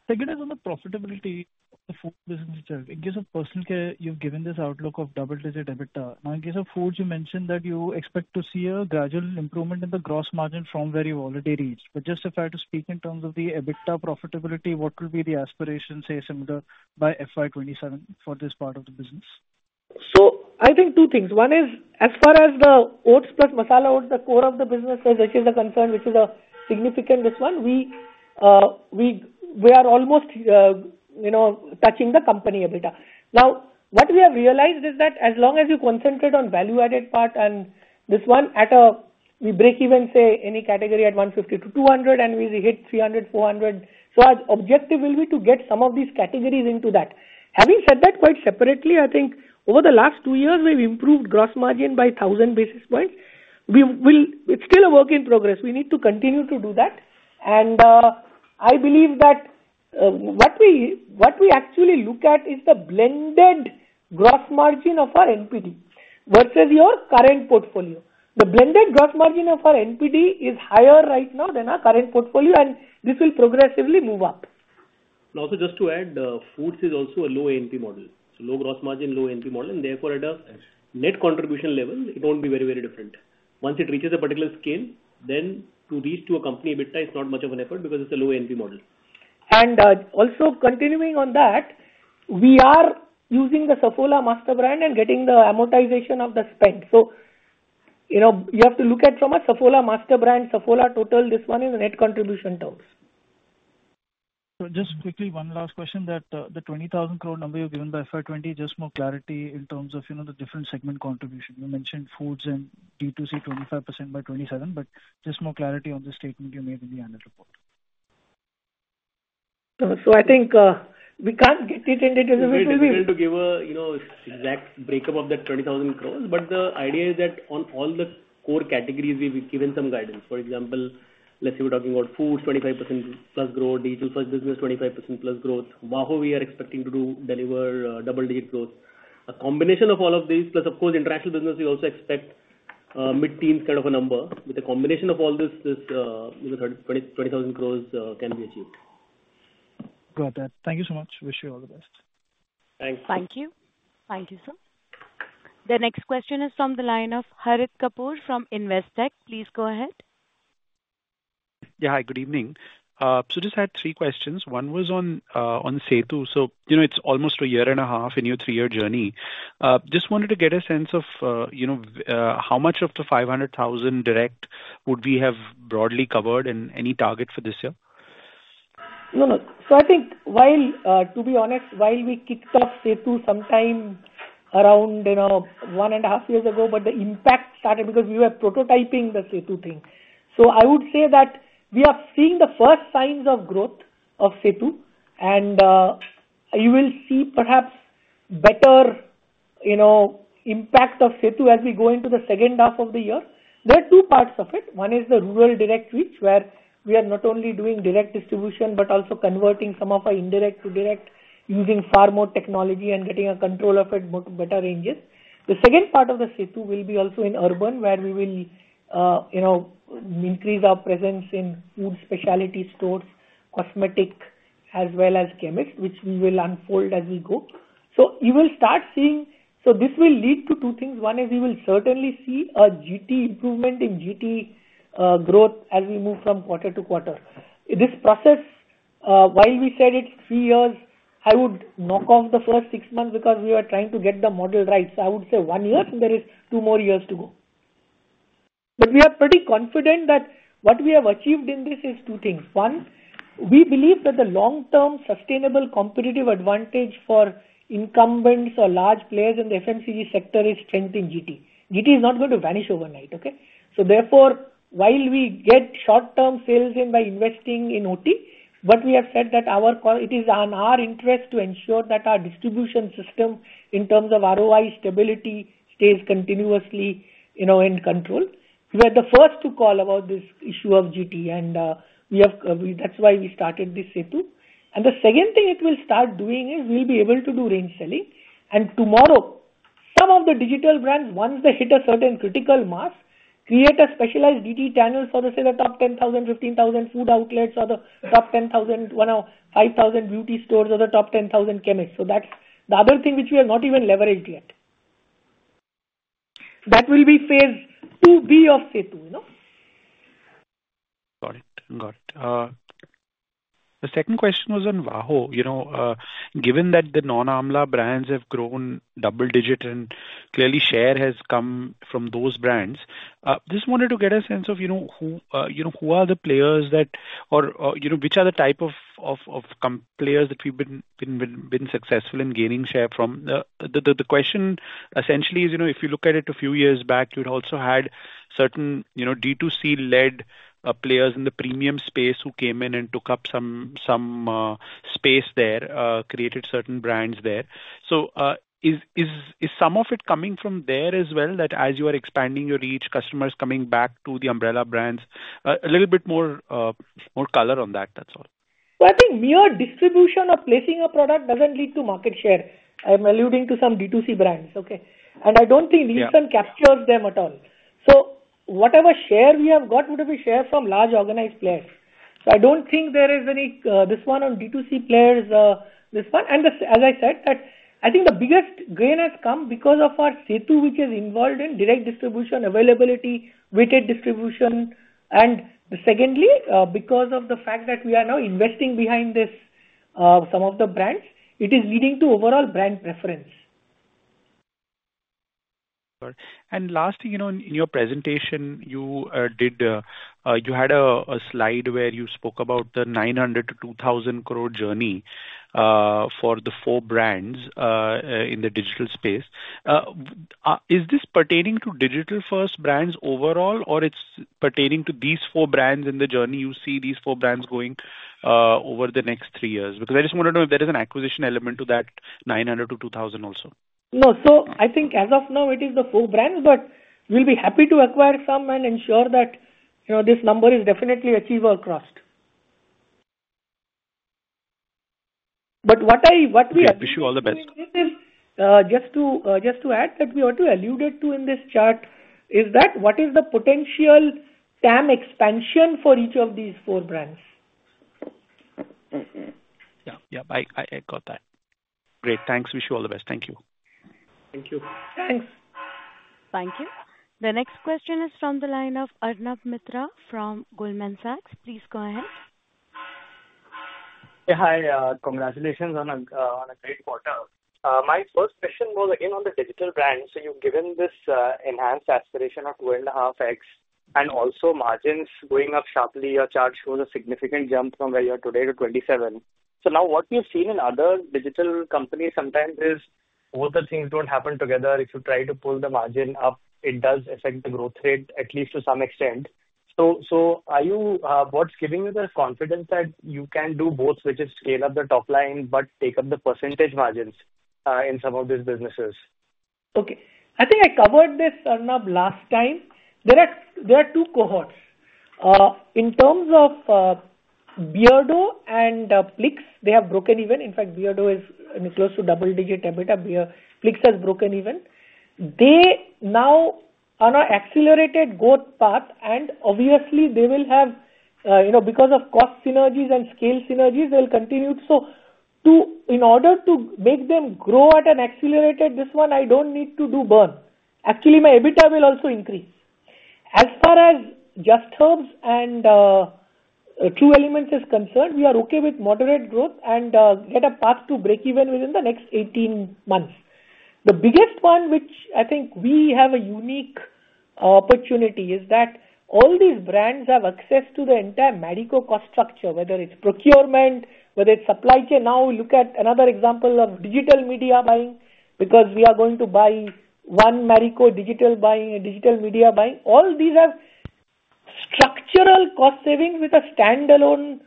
the profitability of the food business itself. In case of personal care, you've given this outlook of double-digit EBITDA. Now in case of food, you mentioned that you expect to see a gradual improvement in the gross margin from where you've already reached. If I had to speak in terms of the EBITDA profitability, what will be the aspirations, say, similar by FY 2027 for this part of the business? I think two things. One is as far as the oats plus masala oats, the core of the business which is a concern, which is a significant this one, we are almost, you know, touching the company EBITDA. What we have realized is that as long as you concentrate on value-added part and this one at a, we break even say any category at 150-200 and we hit 300, 400. Our objective will be to get some of these categories into that. Having said that, quite separately, I think over the last two years we've improved gross margin by 1,000 basis points. It's still a work in progress. We need to continue to do that. I believe that what we actually look at is the blended gross margin of our NPD versus your current portfolio. The blended gross margin of our NPD is higher right now than our current portfolio and this will progressively move up. Also, just to add, foods is also a low ANP model. Low gross margin, low NP model, and therefore at a net contribution level it won't be very, very different. Once it reaches a particular scale, then to reach to a company EBITDA is not much of an effort because it's a low ANP model. are also continuing on that. We are using the Saffola master brand and getting the amortization of the spend. You have to look at it from a Saffola master brand, Saffola total. This one is net contribution terms. Just quickly, one last question. The 20,000 crore number you've given by FY 2027, just more clarity in terms of, you know, the different segment contribution. You mentioned foods and D2C 2025 by 2027. Just more clarity on the statement you made in the annual report. I think we can't get it in data to give a, you know. Exact breakup of that 20,000 crores. The idea is that on all the core categories we've given some guidance. For example, let's say we're talking about foods, 25%+ growth, digital plus business, 25%+ growth. We are expecting to deliver double-digit growth, a combination of all of these, plus of course international business. We also expect mid-teens kind of a number. With a combination of all this, this 20,000 crores can be achieved. Got that? Thank you so much. Wish you all the best. Thanks. Thank you. Thank you, sir. The next question is from the line of Harit Kapoor from InvesTech. Please go ahead. Yeah, hi, good evening. I just had three questions. One was on SETU. It's almost a year and a half in your three year journey. I just wanted to get a sense of how much of the 500,000 direct would we have broadly covered and any target for this year. I think while, to be honest, we kicked off SETU sometime around one and a half years ago, the impact started because we were prototyping the SETU thing. I would say that we are seeing the first signs of growth of SETU and you will see perhaps better impact of SETU as we go into the second half of the year. There are two parts of it. One is the rural direct switch where we are not only doing direct distribution but also converting some of our indirect to direct using far more technology and getting a control of it, better ranges. The second part of the SETU will be also in urban where we will increase our presence in food, specialty stores, cosmetic as well as chemist, which we will unfold as we go. You will start seeing this. This will lead to two things. One is we will certainly see a GT improvement in GT growth as we move from quarter to quarter in this process. While we said it's three years, I would knock off the first six months because we were trying to get the model right. I would say one year, there are two more years to go. We are pretty confident that what we have achieved in this is two things. One, we believe that the long-term sustainable competitive advantage for incumbents or large players in the FMCG sector is strength in GT. GT is not going to vanish overnight. Therefore, while we get short-term sales in by investing in OT, we have said that it is in our interest to ensure that our distribution system in terms of ROI stability stays continuously and controlled. We are the first to call about this issue of GT and that's why we started this SETU. The second thing it will start doing is we'll be able to do range selling and tomorrow some of the digital brands, once they hit a certain critical mass, create a specialized DT channel for, say, the top 10,000-15,000 food outlets or the top 10,000-105,000 beauty stores or the top 10,000 chemists. That's the other thing which we have not even leveraged yet. That will be phase II-B of SETU. Got it, got it. The second question was on WAHO, you know, given that the non Amla brands have grown double digit and clearly share has come from those brands. Just wanted to get a sense of, you know, who, you know, who are the players that or, you know, which are the type of players that we've been successful in gaining share from. The question essentially is, you know, if you look at it a few years back, you'd also had certain, you know, D2C led players in the premium space who came in and took up some space there, created certain brands there. Is some of it coming from there as well that as you are expanding your reach, customers coming back to the umbrella brands a little bit more, more color on that, that's all. I think mere distribution of placing a product doesn't lead to market share. I'm alluding to some D2C brands, okay. I don't think Nielsen captures them at all. Whatever share we have got would be share from large organized players. I don't think there is any this one on D2C players. As I said, I think the biggest gain has come because of our SETU, which is involved in direct distribution, availability weighted distribution. Secondly, because of the fact that we are now investing behind some of the brands, it is leading to overall brand preference. Lastly, in your presentation, you had a slide where you spoke about the 900 crore-2,000 crore journey for the four brands in the digital space. Is this pertaining to digital-first brands overall, or is it pertaining to these four brands in the journey? You see these four brands going over the next three years. I just want to know if there is an acquisition element to that 900 crore-2,000 crore also. No, I think as of now it is the four brands. We’ll be happy to acquire some and ensure that this number is definitely achievable, crossed. What we wish you all the best is just to add that we alluded to in this chart is the potential TAM expansion for each of these four brands. Yeah, I got that. Great, thanks. Wish you all the best. Thank you. Thank you. Thanks. Thank you. The next question is from the line of Arnab Mitra from Goldman Sachs. Please go ahead. Hi. Congratulations on a great quarter. My first question was again on the digital brand. You've given this enhanced aspiration of 2.5x and also margins going up sharply. Your chart shows a significant jump from where you are today to 27%. What we have seen in other digital companies sometimes is both the things don't happen together. If you try to pull the margin up, it does affect the growth rate at least to some extent. What's giving you the confidence that you can do both, which is scale up the top line but take up the percentage margins in some of these businesses. Okay, I think I covered this last time. There are two cohorts in terms of Beardo and Plix. They have broken even. In fact, Beardo is close to double digit EBITDA. Plix has broken even. They are now on an accelerated growth path and obviously they will have, you know, because of cost synergies and scale synergies, they'll continue. In order to make them grow at an accelerated rate, I don't need to do burn. Actually, my EBITDA will also increase. As far as Just Herbs and True Elements is concerned, we are okay with moderate growth and get a path to breakeven within the next 18 months. The biggest one which I think we have a unique opportunity is that all these brands have access to the entire Marico cost structure, whether it's procurement, whether it's supply chain. Now, look at another example of digital media buying because we are going to buy one Marico digital buying and digital media buying. All these are structural cost savings which a standalone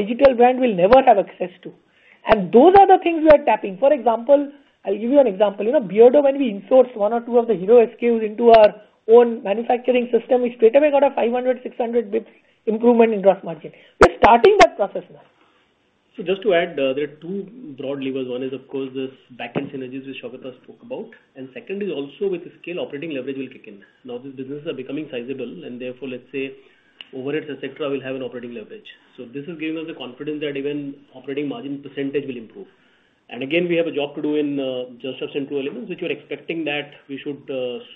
digital brand will never have access to, and those are the things we are tapping. For example, I'll give you an example, Beardo. When we insource one or two of the hero SKUs into our own manufacturing system, we straight away got a 500 bps, 600 bps improvement in gross margin. We're starting that process now. Just to add, there are two broad levers. One is, of course, these backend synergies which Saugata spoke about, and second is also with the scale, operating leverage will kick in. Now these businesses are becoming sizable, and therefore, let's say overheads, etc., will have an operating leverage. This is giving us the confidence that even operating margin % will improve. Again, we have a job to do in just a central elements, which you're expecting that we should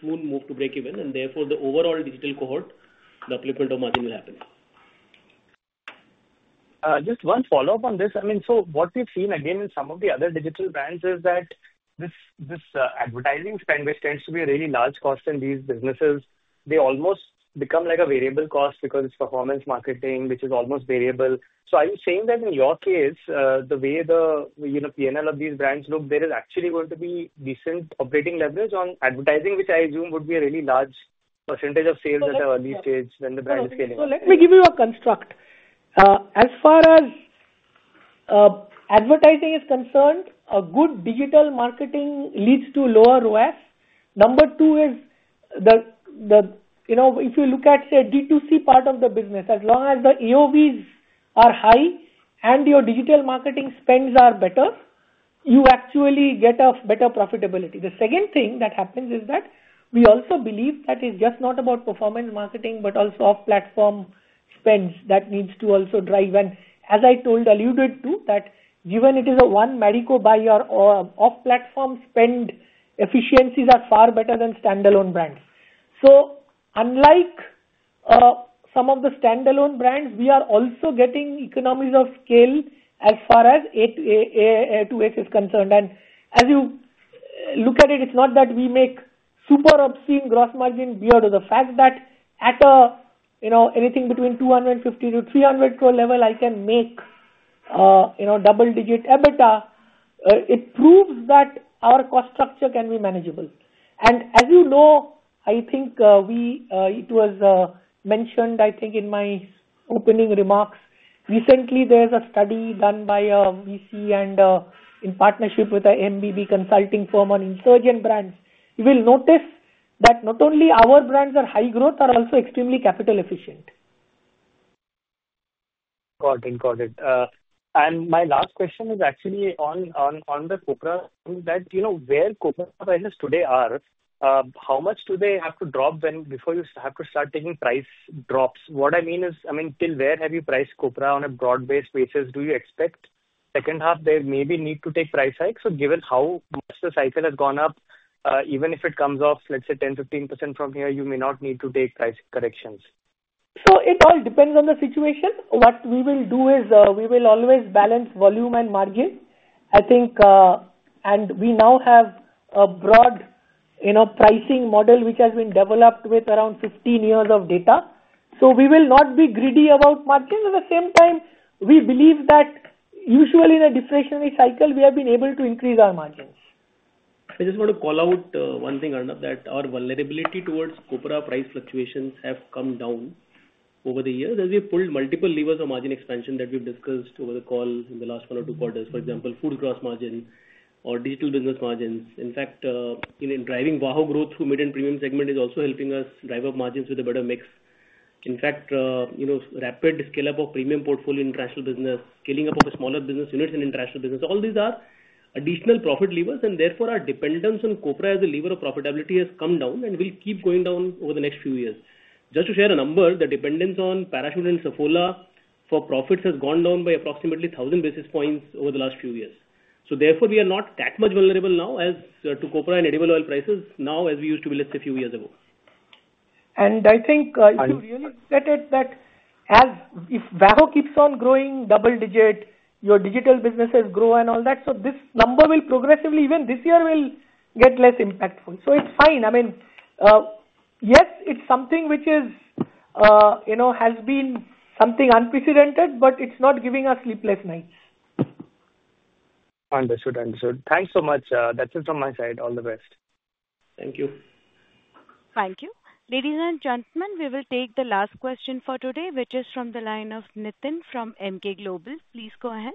soon move to breakeven, and therefore, the overall digital cohort, the upliftment of margin will happen. Just one follow up on this. What we've seen again in some of the other digital brands is that this advertising spend, which tends to be a really large cost in these businesses, almost becomes like a variable cost because it's performance marketing, which is almost variable. Are you saying that in your case, the way the P&L of these brands look, there is actually going to be decent operating leverage on advertising, which I assume would be a really large % of sales at the early stage when the brand is scaling? Let me give you a construct. As far as advertising is concerned, good digital marketing leads to lower ROAS. Number two is if you look at, say, D2C part of the business, as long as the AOVs are high and your digital marketing spends are better, you actually get better profitability. The second thing that happens is that we also believe that it's just not about performance marketing but also off-platform spends that need to also drive, and as I alluded to, given it is a one Marico buy, your off-platform spend efficiencies are far better than standalone brands. Unlike some of the standalone brands, we are also getting economies of scale as far as A2S is concerned. As you look at it, it's not that we make super obscene gross margin beyond the fact that at anything between 250 crore-300 crore level, I can make double-digit EBITDA. It proves that our cost structure can be manageable. As you know, I think it was mentioned in my opening remarks. Recently, there's a study done by VC and in partnership with an MBB consulting firm on insurgent brands. You will notice that not only are our brands high growth, they are also extremely capital efficient. Got it. My last question is actually on the copra that you know where copra is today, how much do they have to drop before you have to start taking price drops? What I mean is, till where have you priced copra on a broad-based basis? Do you expect second half there may be need to take price hike? Given how much the cycle has gone up, even if it comes off, let's say 10%, 15% from here, you may not need to take price corrections. It all depends on the situation. What we will do is we will always balance volume and margin, I think, and we now have a broad pricing model which has been developed with around 15 years of data. We will not be greedy about margins. At the same time, we believe that usually in a deflationary cycle we have been able to increase our margins. I just want to call out one thing, Arnab, that our vulnerability towards copra price fluctuations has come down over the years as we pulled multiple levers of margin expansion that we've discussed over the call in the last one or two quarters. For example, food gross margin or digital business margins. In fact, driving WAHO growth through mid and premium segment is also helping us drive up margins with a better mix. In fact, rapid scale up of premium portfolio, international business, scaling up of smaller business units in international business, all these are additional profit levers, and therefore our dependence on copra as a lever of profitability has come down and will keep going down over the next few years. Just to share a number, the dependence on Parachute and Saffola for profits has gone down by approximately 1,000 basis points over the last few years. Therefore, we are not that much vulnerable now to copra and edible oil prices as we used to be, let's say, a few years ago. If you really get it, that as if value-added hair oils keeps on growing double digit, your digital businesses grow and all that, this number will progressively even this year get less impactful. It's fine. I mean yes, it's something which is, you know, has been something unprecedented, but it's not giving us sleepless nights. Understood. Thanks so much. That's it from my side. All the best. Thank you. Thank you, ladies and gentlemen. We will take the last question for today, which is from the line of Nitin from MK Global. Please go ahead.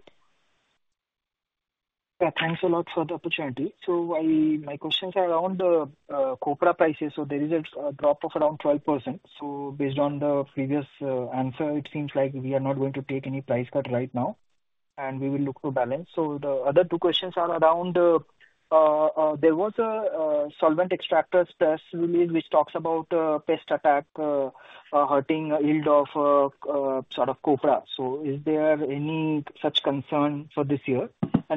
Thanks a lot for the opportunity. My questions are on the copra prices. There is a drop of around 12%. Based on the previous answer, it seems like we are not going to take any price cut right now and we will look for balance. The other two questions are around, there was a Solvent Extractors test release which talks about pest attack hurting yield of sort of copra. Is there any such concern for this year?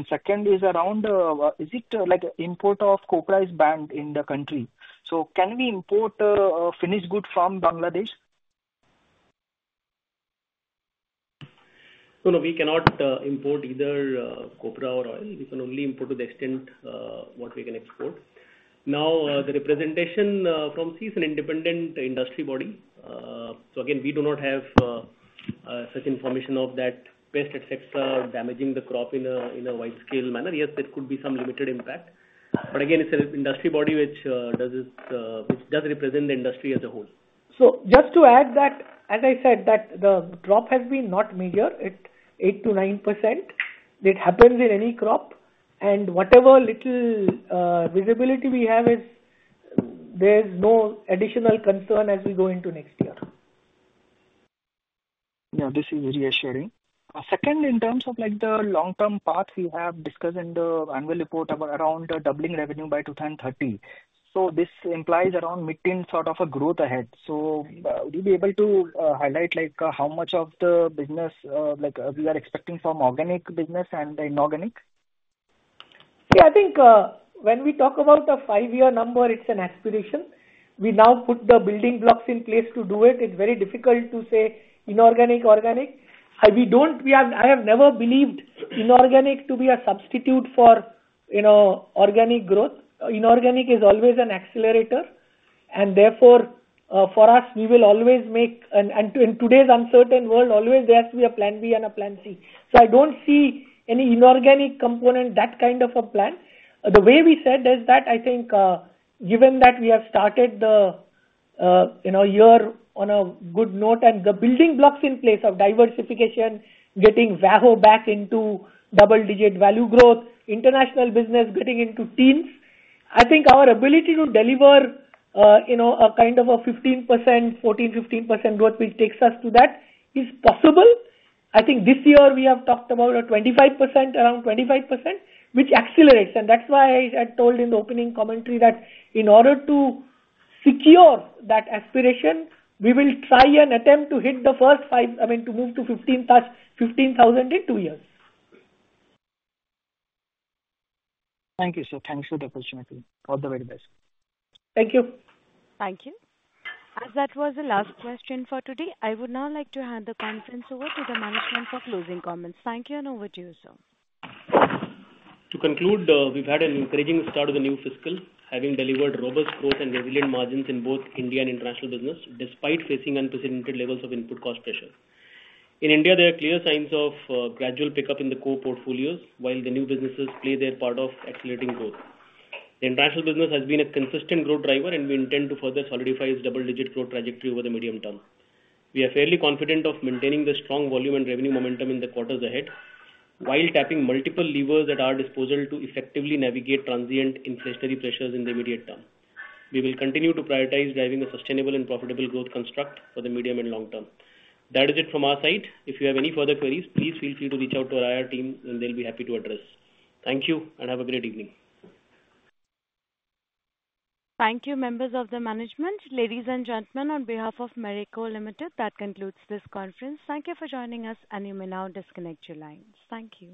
Second is, is it like import of copra is banned in the country? Can we import finished good from Bangladesh? No, no, we cannot import either copra or oil. We can only import to the extent what we can export. The representation POMC is an independent industry body. We do not have such information of that pest, etc., damaging the crop in a wide scale manner. There could be some limited impact, but again, it's an industry body which does represent the industry as a whole. Just to add that as I said, the drop has been not major at 8%-9%. It happens in any crop, and whatever little visibility we have is there's no additional concern as we go into next year. Now this is reassuring. Second, in terms of the long term path we have discussed in the. Annual report around doubling revenue by 2030. This implies around mid 10% sort of a growth ahead. Would you be able to highlight how much of the business we are expecting from organic business and inorganic? I think when we talk about a five year number it's an aspiration. We now put the building blocks in place to do it. It's very difficult to say inorganic, organic. I have never believed inorganic to be a substitute for, you know, organic growth. Inorganic is always an accelerator and therefore for us we will always make, in today's uncertain world, there has to be a plan B and a plan C. I don't see any inorganic component in that kind of a plan. The way we said is that I think given that we have started the year on a good note and the building blocks in place of diversification, getting WAHO back into double digit value growth, international business getting into teens, I think our ability to deliver a kind of a 14%, 15% growth which takes us to that is possible. I think this year we have talked about around 25% which accelerates and that's why I told in the opening commentary that in order to secure that aspiration we will try and attempt to hit the first five. I mean to move to 15,000 in two years. Thank you, sir. Thanks for the opportunity. All the way. Best. Thank you. Thank you. As that was the last question for today, I would now like to hand the conference over to the management for closing comments. Thank you. Over to you, sir. To conclude, we've had an encouraging start of the new fiscal, having delivered robust growth and margins in both India and international business. Despite facing unprecedented levels of input cost pressure. In India, there are clear signs of gradual pickup in the core portfolios while the new businesses play their part of accelerating growth. The international business has been a consistent growth driver, and we intend to further solidify its double-digit growth trajectory over the medium term. We are fairly confident of maintaining the strong volume and revenue momentum in the quarters ahead while tapping multiple levers at our disposal to effectively navigate transient inflationary pressures. In the immediate term, we will continue to prioritize driving a sustainable and profitable growth construct for the medium and long term. That is it from our side. If you have any further queries, please feel free to reach out to our IR team and they'll be happy to address. Thank you and have a great evening. Thank you, members of the management. Ladies and gentlemen, on behalf of Marico Limited, that concludes this conference. Thank you for joining us, and you may now disconnect your lines. Thank you.